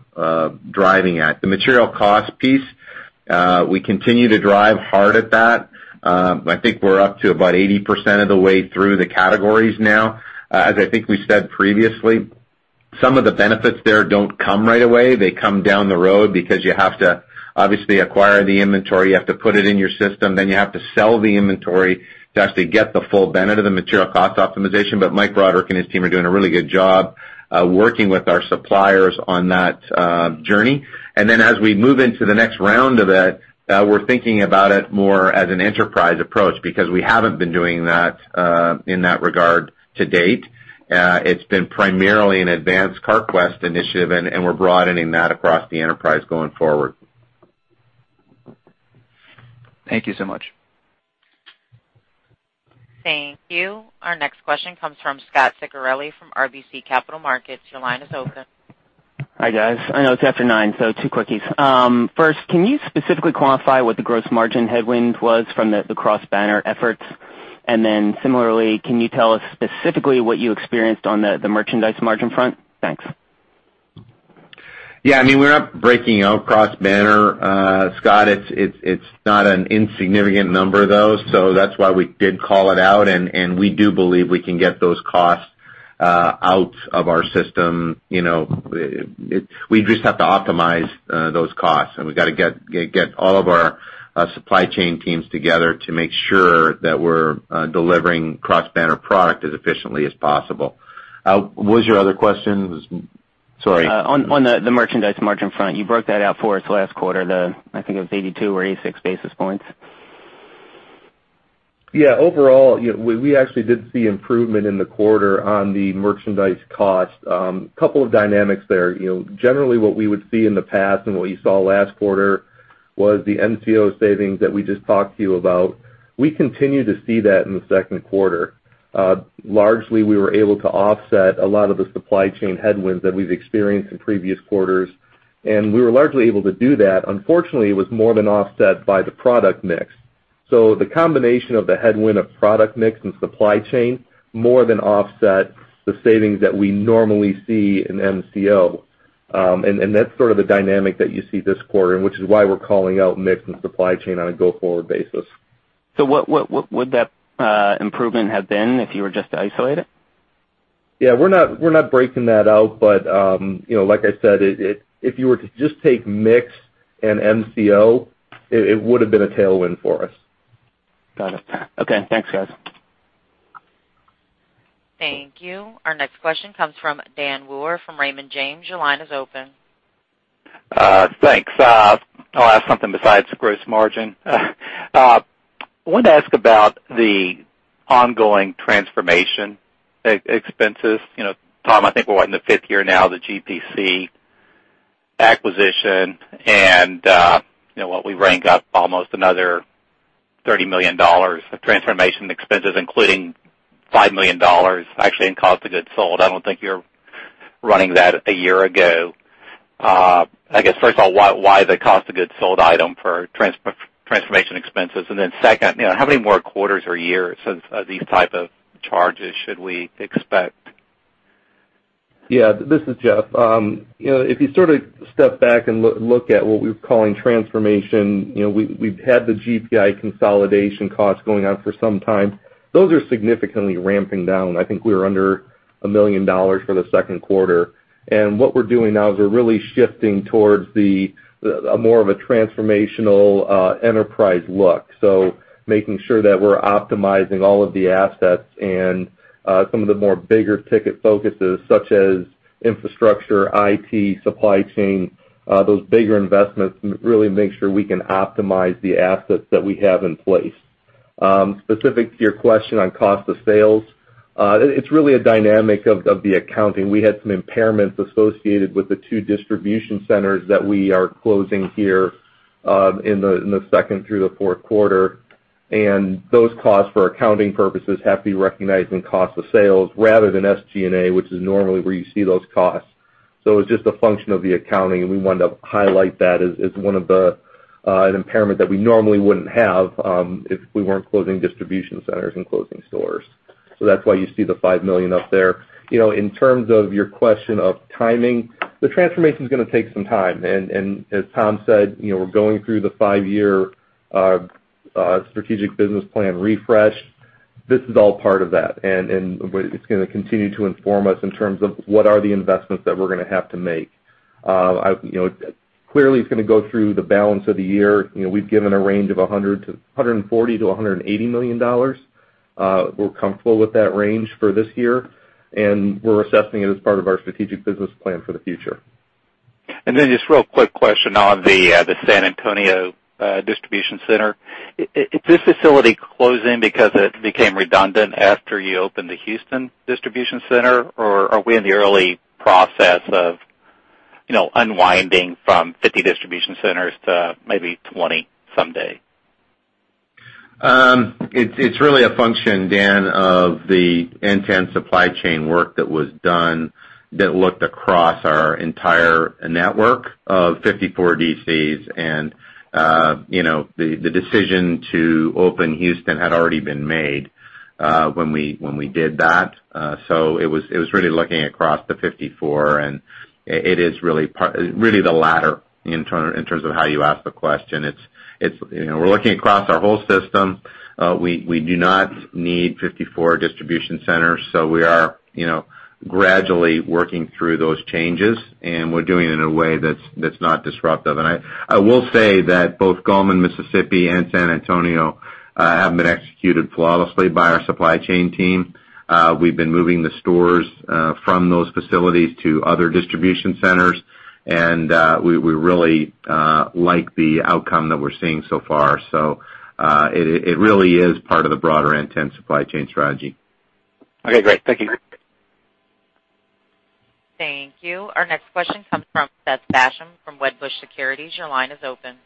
Speaker 3: driving at. The material cost piece, we continue to drive hard at that. I think we're up to about 80% of the way through the categories now. As I think we said previously, some of the benefits there don't come right away. They come down the road because you have to obviously acquire the inventory, you have to put it in your system, then you have to sell the inventory to actually get the full benefit of the material cost optimization. Mike Broderick and his team are doing a really good job working with our suppliers on that journey. As we move into the next round of it, we're thinking about it more as an enterprise approach because we haven't been doing that in that regard to date. It's been primarily an Advance Carquest initiative, and we're broadening that across the enterprise going forward.
Speaker 14: Thank you so much.
Speaker 1: Thank you. Our next question comes from Scot Ciccarelli from RBC Capital Markets. Your line is open.
Speaker 15: Hi, guys. I know it's after 9:00, two quickies. First, can you specifically quantify what the gross margin headwind was from the cross-banner efforts? Similarly, can you tell us specifically what you experienced on the merchandise margin front? Thanks.
Speaker 4: Yeah. We're not breaking out cross-banner, Scot. It's not an insignificant number, though, that's why we did call it out, we do believe we can get those costs out of our system. We just have to optimize those costs, we've got to get all of our supply chain teams together to make sure that we're delivering cross-banner product as efficiently as possible. What was your other question? Sorry.
Speaker 15: On the merchandise margin front, you broke that out for us last quarter, the, I think it was 82 or 86 basis points.
Speaker 4: Yeah. Overall, we actually did see improvement in the quarter on the merchandise cost. Couple of dynamics there. Generally what we would see in the past and what you saw last quarter was the MCO savings that we just talked to you about. We continue to see that in the second quarter. Largely, we were able to offset a lot of the supply chain headwinds that we've experienced in previous quarters, we were largely able to do that. Unfortunately, it was more than offset by the product mix. The combination of the headwind of product mix and supply chain more than offset the savings that we normally see in MCO. That's sort of the dynamic that you see this quarter, which is why we're calling out mix and supply chain on a go-forward basis.
Speaker 15: What would that improvement have been if you were just to isolate it?
Speaker 4: Yeah, we're not breaking that out. Like I said, if you were to just take mix and MCO, it would've been a tailwind for us.
Speaker 15: Got it. Okay, thanks, guys.
Speaker 1: Thank you. Our next question comes from Dan Wewer from Raymond James. Your line is open.
Speaker 16: Thanks. I'll ask something besides gross margin. I wanted to ask about the ongoing transformation expenses. Tom, I think we're what, in the fifth year now of the GPI acquisition, and what we rang up, almost another $30 million of transformation expenses, including $5 million actually in cost of goods sold. I don't think you were running that a year ago. I guess, first of all, why the cost of goods sold item for transformation expenses? Second, how many more quarters or years of these type of charges should we expect?
Speaker 4: Yeah, this is Jeff. If you sort of step back and look at what we're calling transformation, we've had the GPI consolidation costs going on for some time. Those are significantly ramping down. I think we were under $1 million for the second quarter. What we're doing now is we're really shifting towards more of a transformational enterprise look, so making sure that we're optimizing all of the assets and some of the more bigger ticket focuses, such as infrastructure, IT, supply chain, those bigger investments, really make sure we can optimize the assets that we have in place. Specific to your question on cost of sales, it's really a dynamic of the accounting. We had some impairments associated with the two distribution centers that we are closing here in the second through the fourth quarter, and those costs, for accounting purposes, have to be recognized in cost of sales rather than SG&A, which is normally where you see those costs. It's just a function of the accounting, and we wanted to highlight that as one of the, an impairment that we normally wouldn't have if we weren't closing distribution centers and closing stores. That's why you see the $5 million up there. In terms of your question of timing, the transformation's gonna take some time. As Tom said, we're going through the five-year strategic business plan refresh. This is all part of that, and it's gonna continue to inform us in terms of what are the investments that we're gonna have to make. Clearly, it's gonna go through the balance of the year. We've given a range of $140 million-$180 million. We're comfortable with that range for this year, and we're assessing it as part of our strategic business plan for the future.
Speaker 16: Just real quick question on the San Antonio distribution center. Is this facility closing because it became redundant after you opened the Houston distribution center, or are we in the early process of unwinding from 50 distribution centers to maybe 20 someday?
Speaker 4: It's really a function, Dan, of the end-to-end supply chain work that was done that looked across our entire network of 54 DCs. The decision to open Houston had already been made when we did that. It was really looking across the 54, and it is really the latter in terms of how you ask the question. We're looking across our whole system. We do not need 54 distribution centers, we are gradually working through those changes, and we're doing it in a way that's not disruptive. I will say that both Gallman, Mississippi and San Antonio have been executed flawlessly by our supply chain team. We've been moving the stores from those facilities to other distribution centers, and we really like the outcome that we're seeing so far. It really is part of the broader end-to-end supply chain strategy.
Speaker 16: Okay, great. Thank you.
Speaker 1: Thank you. Our next question comes from Seth Basham from Wedbush Securities, your line is open.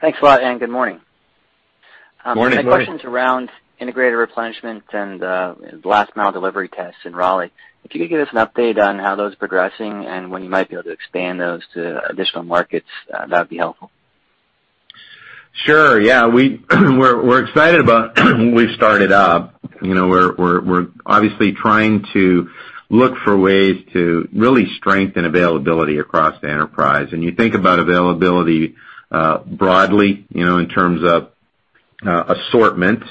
Speaker 17: Thanks a lot, good morning.
Speaker 3: Morning.
Speaker 17: My question's around integrated replenishment, the last mile delivery tests in Raleigh. If you could give us an update on how those are progressing and when you might be able to expand those to additional markets, that'd be helpful.
Speaker 3: Sure. Yeah. We're excited about what we've started up. We're obviously trying to look for ways to really strengthen availability across the enterprise. You think about availability broadly in terms of assortment,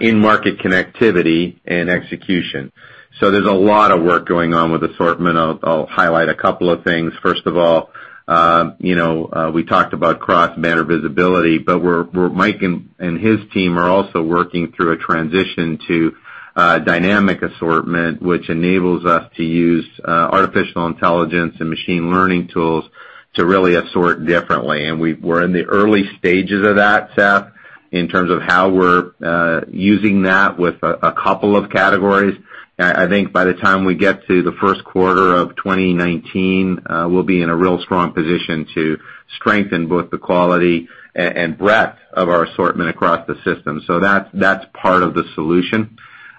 Speaker 3: in-market connectivity, and execution. There's a lot of work going on with assortment. I'll highlight a couple of things. First of all, we talked about cross-banner visibility, but Mike and his team are also working through a transition to dynamic assortment, which enables us to use artificial intelligence and machine learning tools to really assort differently. We're in the early stages of that, Seth, in terms of how we're using that with a couple of categories. I think by the time we get to the first quarter of 2019, we'll be in a real strong position to strengthen both the quality and breadth of our assortment across the system. That's part of the solution.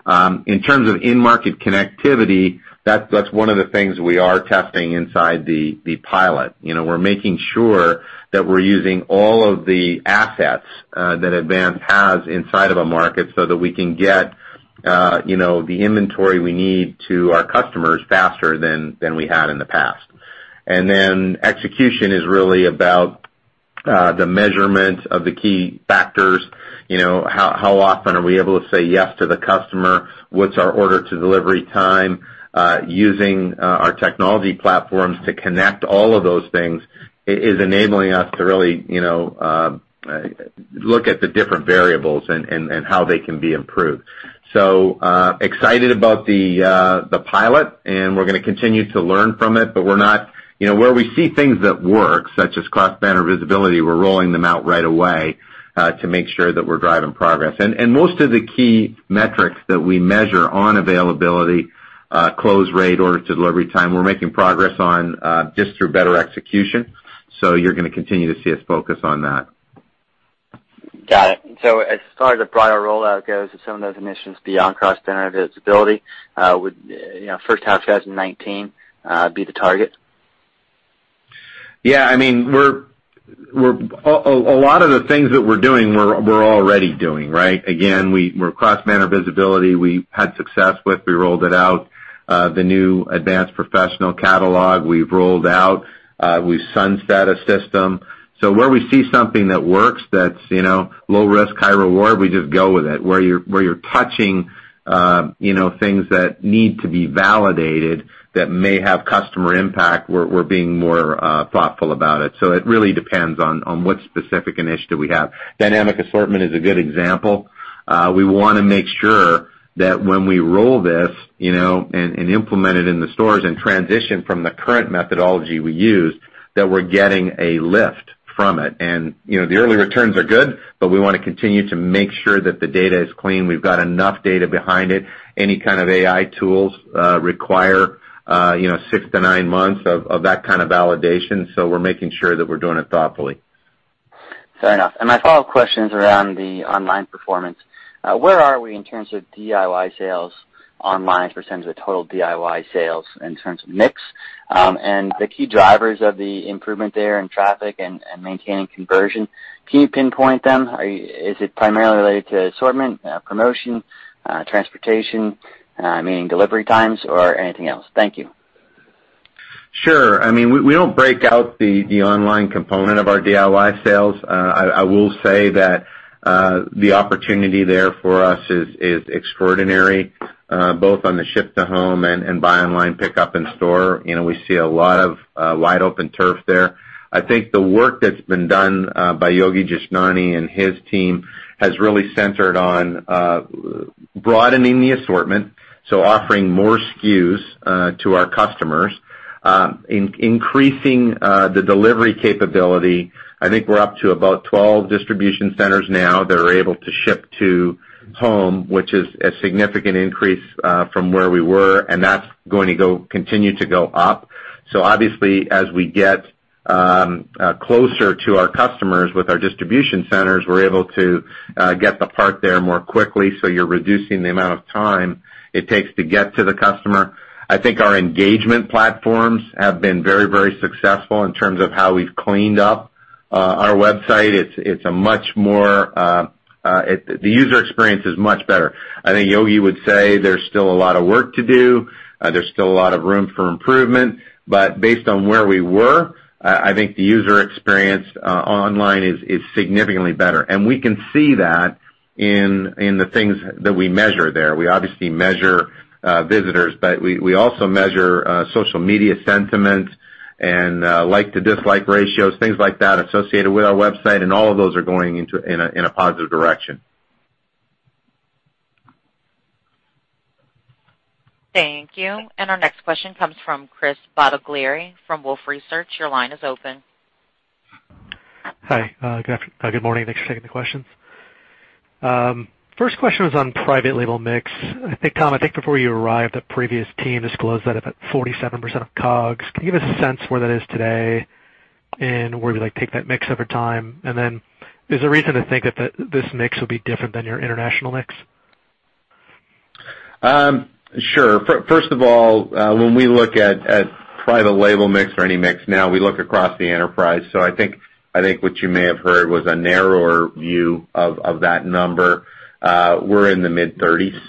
Speaker 3: In terms of in-market connectivity, that's one of the things we are testing inside the pilot. We're making sure that we're using all of the assets that Advance has inside of a market so that we can get the inventory we need to our customers faster than we had in the past. Execution is really about the measurement of the key factors. How often are we able to say yes to the customer? What's our order-to-delivery time? Using our technology platforms to connect all of those things is enabling us to really look at the different variables and how they can be improved. Excited about the pilot, we're going to continue to learn from it. Where we see things that work, such as cross-banner visibility, we're rolling them out right away to make sure that we're driving progress. Most of the key metrics that we measure on availability, close rate, order-to-delivery time, we're making progress on just through better execution. You're going to continue to see us focus on that.
Speaker 17: Got it. As far as the broader rollout goes and some of those initiatives beyond cross-banner visibility, would first half 2019 be the target?
Speaker 3: A lot of the things that we're doing, we're already doing, right? Again, cross-banner visibility, we had success with, we rolled it out. The new Advance professional catalog, we've rolled out. We've sunset a system. Where we see something that works that's low risk, high reward, we just go with it. Where you're touching things that need to be validated that may have customer impact, we're being more thoughtful about it. It really depends on what specific initiative we have. Dynamic assortment is a good example. We want to make sure that when we roll this and implement it in the stores and transition from the current methodology we use, that we're getting a lift from it. The early returns are good, but we want to continue to make sure that the data is clean, we've got enough data behind it. Any kind of AI tools require 6 to 9 months of that kind of validation, we're making sure that we're doing it thoughtfully.
Speaker 17: Fair enough. My follow-up question is around the online performance. Where are we in terms of DIY sales online as a percentage of total DIY sales in terms of mix? The key drivers of the improvement there in traffic and maintaining conversion, can you pinpoint them? Is it primarily related to assortment, promotion, transportation, meaning delivery times, or anything else? Thank you.
Speaker 3: Sure. We don't break out the online component of our DIY sales. I will say that the opportunity there for us is extraordinary, both on the ship to home and buy online, pick up in store. We see a lot of wide open turf there. I think the work that's been done by Yogi Jashnani and his team has really centered on broadening the assortment, so offering more SKUs to our customers, increasing the delivery capability. I think we're up to about 12 distribution centers now that are able to ship to home, which is a significant increase from where we were, and that's going to continue to go up. Obviously, as we get closer to our customers with our distribution centers, we're able to get the part there more quickly, so you're reducing the amount of time it takes to get to the customer. I think our engagement platforms have been very successful in terms of how we've cleaned up our website. The user experience is much better. I think Yogi would say there's still a lot of work to do. There's still a lot of room for improvement. Based on where we were, I think the user experience online is significantly better. We can see that in the things that we measure there. We obviously measure visitors, but we also measure social media sentiment and like to dislike ratios, things like that associated with our website, and all of those are going in a positive direction.
Speaker 1: Thank you. Our next question comes from Chris Bottiglieri from Wolfe Research. Your line is open.
Speaker 18: Hi. Good morning. Thanks for taking the questions. First question was on private label mix. Tom, I think before you arrived, the previous team disclosed that about 47% of COGS. Can you give us a sense where that is today and where we take that mix over time? Is there a reason to think that this mix will be different than your international mix?
Speaker 3: Sure. First of all, when we look at private label mix or any mix now, we look across the enterprise. I think what you may have heard was a narrower view of that number. We're in the mid-30s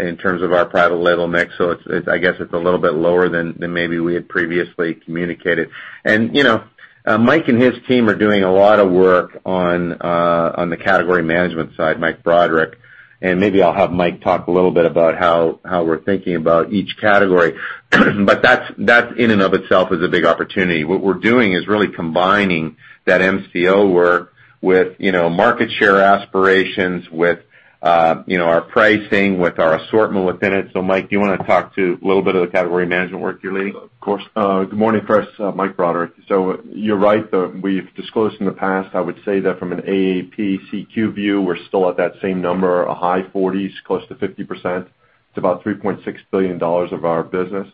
Speaker 3: in terms of our private label mix, I guess it's a little bit lower than maybe we had previously communicated. Mike and his team are doing a lot of work on the category management side, Mike Broderick. Maybe I'll have Mike talk a little bit about how we're thinking about each category, but that in and of itself is a big opportunity. What we're doing is really combining that MCO work with market share aspirations, with our pricing, with our assortment within it. Mike, do you want to talk to a little bit of the category management work you're leading?
Speaker 13: Of course. Good morning, Chris. Mike Broderick. You're right, we've disclosed in the past, I would say that from an AAP CQ view, we're still at that same number, a high 40s, close to 50%. It's about $3.6 billion of our business.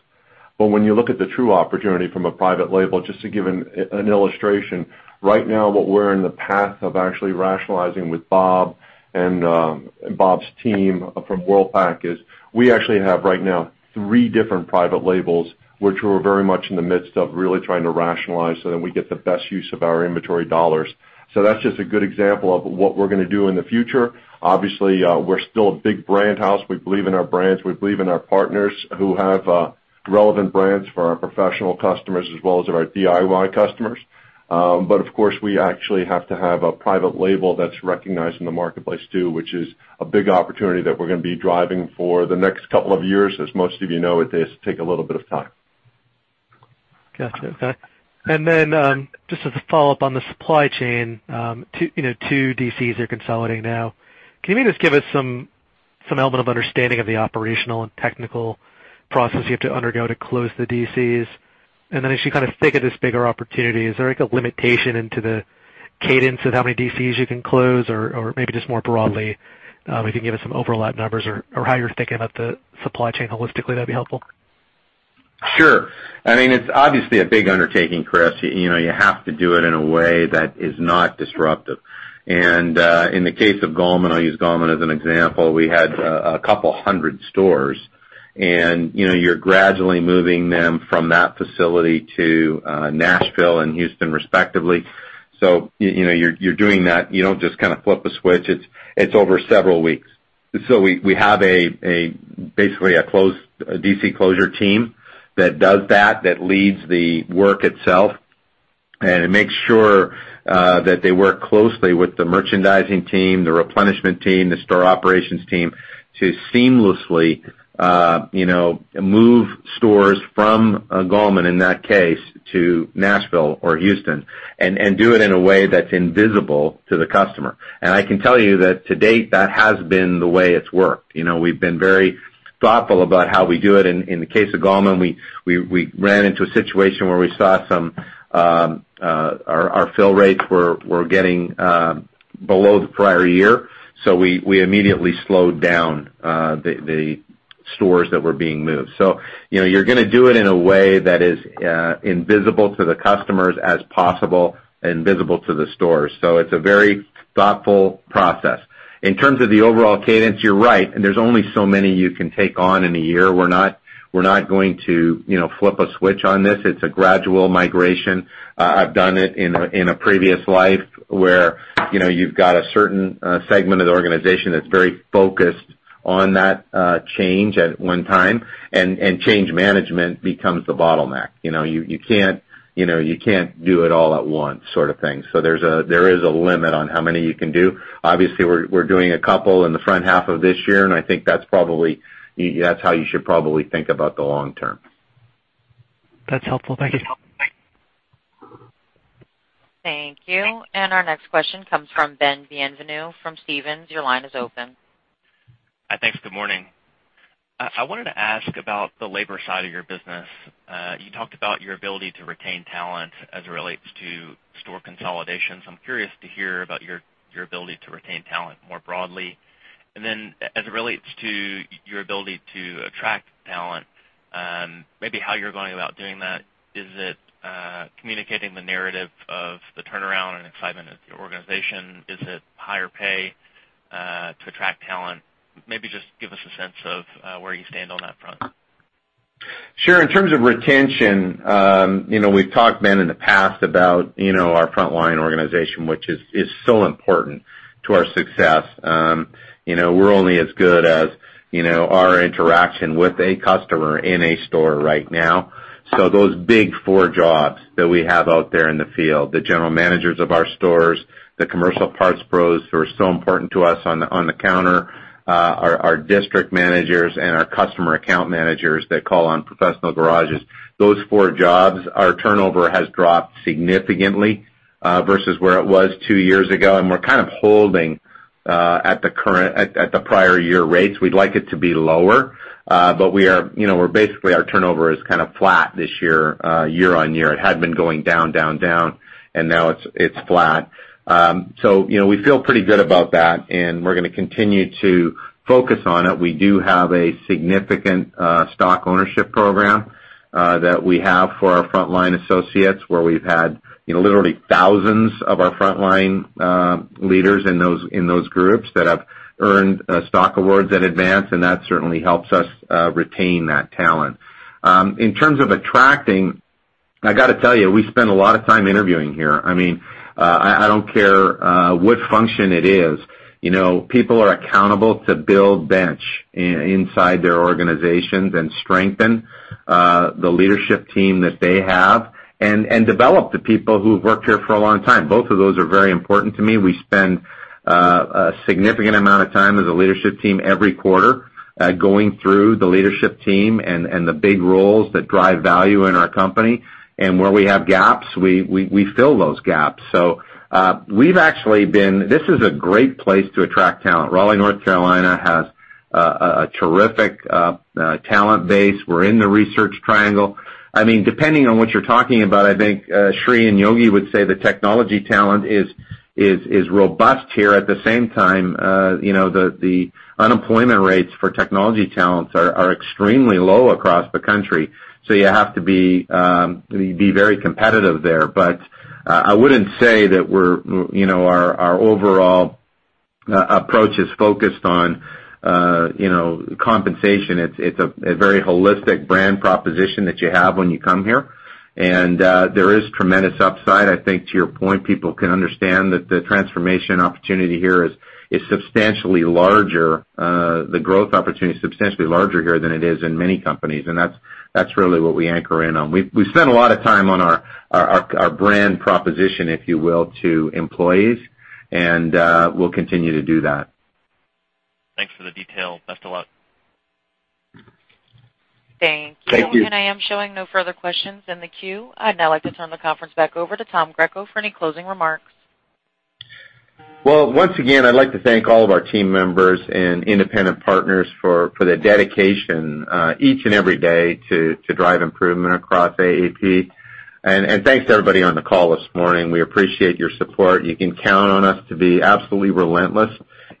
Speaker 13: When you look at the true opportunity from a private label, just to give an illustration, right now what we're in the path of actually rationalizing with Bob and Bob's team from Worldpac is we actually have right now 3 different private labels, which we're very much in the midst of really trying to rationalize so that we get the best use of our inventory dollars. That's just a good example of what we're going to do in the future. Obviously, we're still a big brand house. We believe in our brands. We believe in our partners who have relevant brands for our professional customers as well as our DIY customers. Of course, we actually have to have a private label that's recognized in the marketplace, too, which is a big opportunity that we're going to be driving for the next couple of years. As most of you know, it does take a little bit of time.
Speaker 18: Gotcha, okay. Just as a follow-up on the supply chain, 2 DCs are consolidating now. Can you just give us some element of understanding of the operational and technical process you have to undergo to close the DCs? As you think of this bigger opportunity, is there a limitation into the cadence of how many DCs you can close? Or maybe just more broadly, if you can give us some overlap numbers or how you're thinking about the supply chain holistically, that'd be helpful.
Speaker 3: Sure. It's obviously a big undertaking, Chris. You have to do it in a way that is not disruptive. In the case of Gallman, I'll use Gallman as an example, we had a couple hundred stores, and you're gradually moving them from that facility to Nashville and Houston, respectively. You're doing that. You don't just flip a switch. It's over several weeks. We have basically a DC closure team that does that leads the work itself, and it makes sure that they work closely with the merchandising team, the replenishment team, the store operations team to seamlessly move stores from Gallman, in that case, to Nashville or Houston, and do it in a way that's invisible to the customer. I can tell you that to date, that has been the way it's worked. We've been very thoughtful about how we do it. In the case of Gallman, we ran into a situation where we saw our fill rates were getting below the prior year, we immediately slowed down the stores that were being moved. You're going to do it in a way that is invisible to the customers as possible and visible to the stores. It's a very thoughtful process. In terms of the overall cadence, you're right. There's only so many you can take on in a year. We're not going to flip a switch on this. It's a gradual migration. I've done it in a previous life where you've got a certain segment of the organization that's very focused on that change at one time, and change management becomes the bottleneck. You can't do it all at once sort of thing. There is a limit on how many you can do. Obviously, we're doing a couple in the front half of this year, I think that's how you should probably think about the long term.
Speaker 18: That's helpful. Thank you.
Speaker 1: Thank you. Our next question comes from Ben Bienvenu from Stephens. Your line is open.
Speaker 19: Thanks. Good morning. I wanted to ask about the labor side of your business. You talked about your ability to retain talent as it relates to store consolidation, so I'm curious to hear about your ability to retain talent more broadly. As it relates to your ability to attract talent, maybe how you're going about doing that. Is it communicating the narrative of the turnaround and excitement of the organization? Is it higher pay to attract talent? Maybe just give us a sense of where you stand on that front.
Speaker 3: Sure. In terms of retention, we've talked, Ben, in the past about our frontline organization, which is so important to our success. We're only as good as our interaction with a customer in a store right now. Those big four jobs that we have out there in the field, the general managers of our stores, the commercial parts pros who are so important to us on the counter, our district managers, and our customer account managers that call on professional garages. Those four jobs, our turnover has dropped significantly versus where it was 2 years ago, and we're kind of holding at the prior year rates, we'd like it to be lower. Basically, our turnover is kind of flat this year-on-year. It had been going down, down, and now it's flat. We feel pretty good about that, and we're going to continue to focus on it. We do have a significant stock ownership program that we have for our frontline associates, where we've had literally thousands of our frontline leaders in those groups that have earned stock awards at Advance. That certainly helps us retain that talent. In terms of attracting, I got to tell you, we spend a lot of time interviewing here. I don't care what function it is. People are accountable to build bench inside their organizations and strengthen the leadership team that they have and develop the people who've worked here for a long time. Both of those are very important to me. We spend a significant amount of time as a leadership team every quarter, going through the leadership team and the big roles that drive value in our company. Where we have gaps, we fill those gaps. This is a great place to attract talent. Raleigh, North Carolina, has a terrific talent base. We're in the Research Triangle. Depending on what you're talking about, I think Sri and Yogi would say the technology talent is robust here. At the same time, the unemployment rates for technology talents are extremely low across the country, so you have to be very competitive there. I wouldn't say that our overall approach is focused on compensation. It's a very holistic brand proposition that you have when you come here, and there is tremendous upside. I think to your point, people can understand that the transformation opportunity here is substantially larger, the growth opportunity is substantially larger here than it is in many companies, and that's really what we anchor in on. We've spent a lot of time on our brand proposition, if you will, to employees, and we'll continue to do that.
Speaker 19: Thanks for the detail. Best of luck.
Speaker 1: Thank you.
Speaker 3: Thank you.
Speaker 1: I am showing no further questions in the queue. I'd now like to turn the conference back over to Tom Greco for any closing remarks.
Speaker 3: Well, once again, I'd like to thank all of our team members and independent partners for their dedication each and every day to drive improvement across AAP. Thanks to everybody on the call this morning. We appreciate your support. You can count on us to be absolutely relentless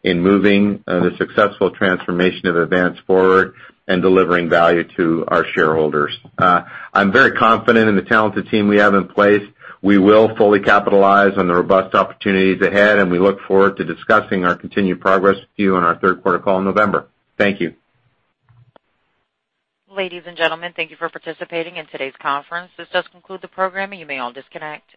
Speaker 3: in moving the successful transformation of Advance forward and delivering value to our shareholders. I'm very confident in the talented team we have in place. We will fully capitalize on the robust opportunities ahead, and we look forward to discussing our continued progress with you on our third quarter call in November. Thank you.
Speaker 1: Ladies and gentlemen, thank you for participating in today's conference. This does conclude the program, and you may all disconnect.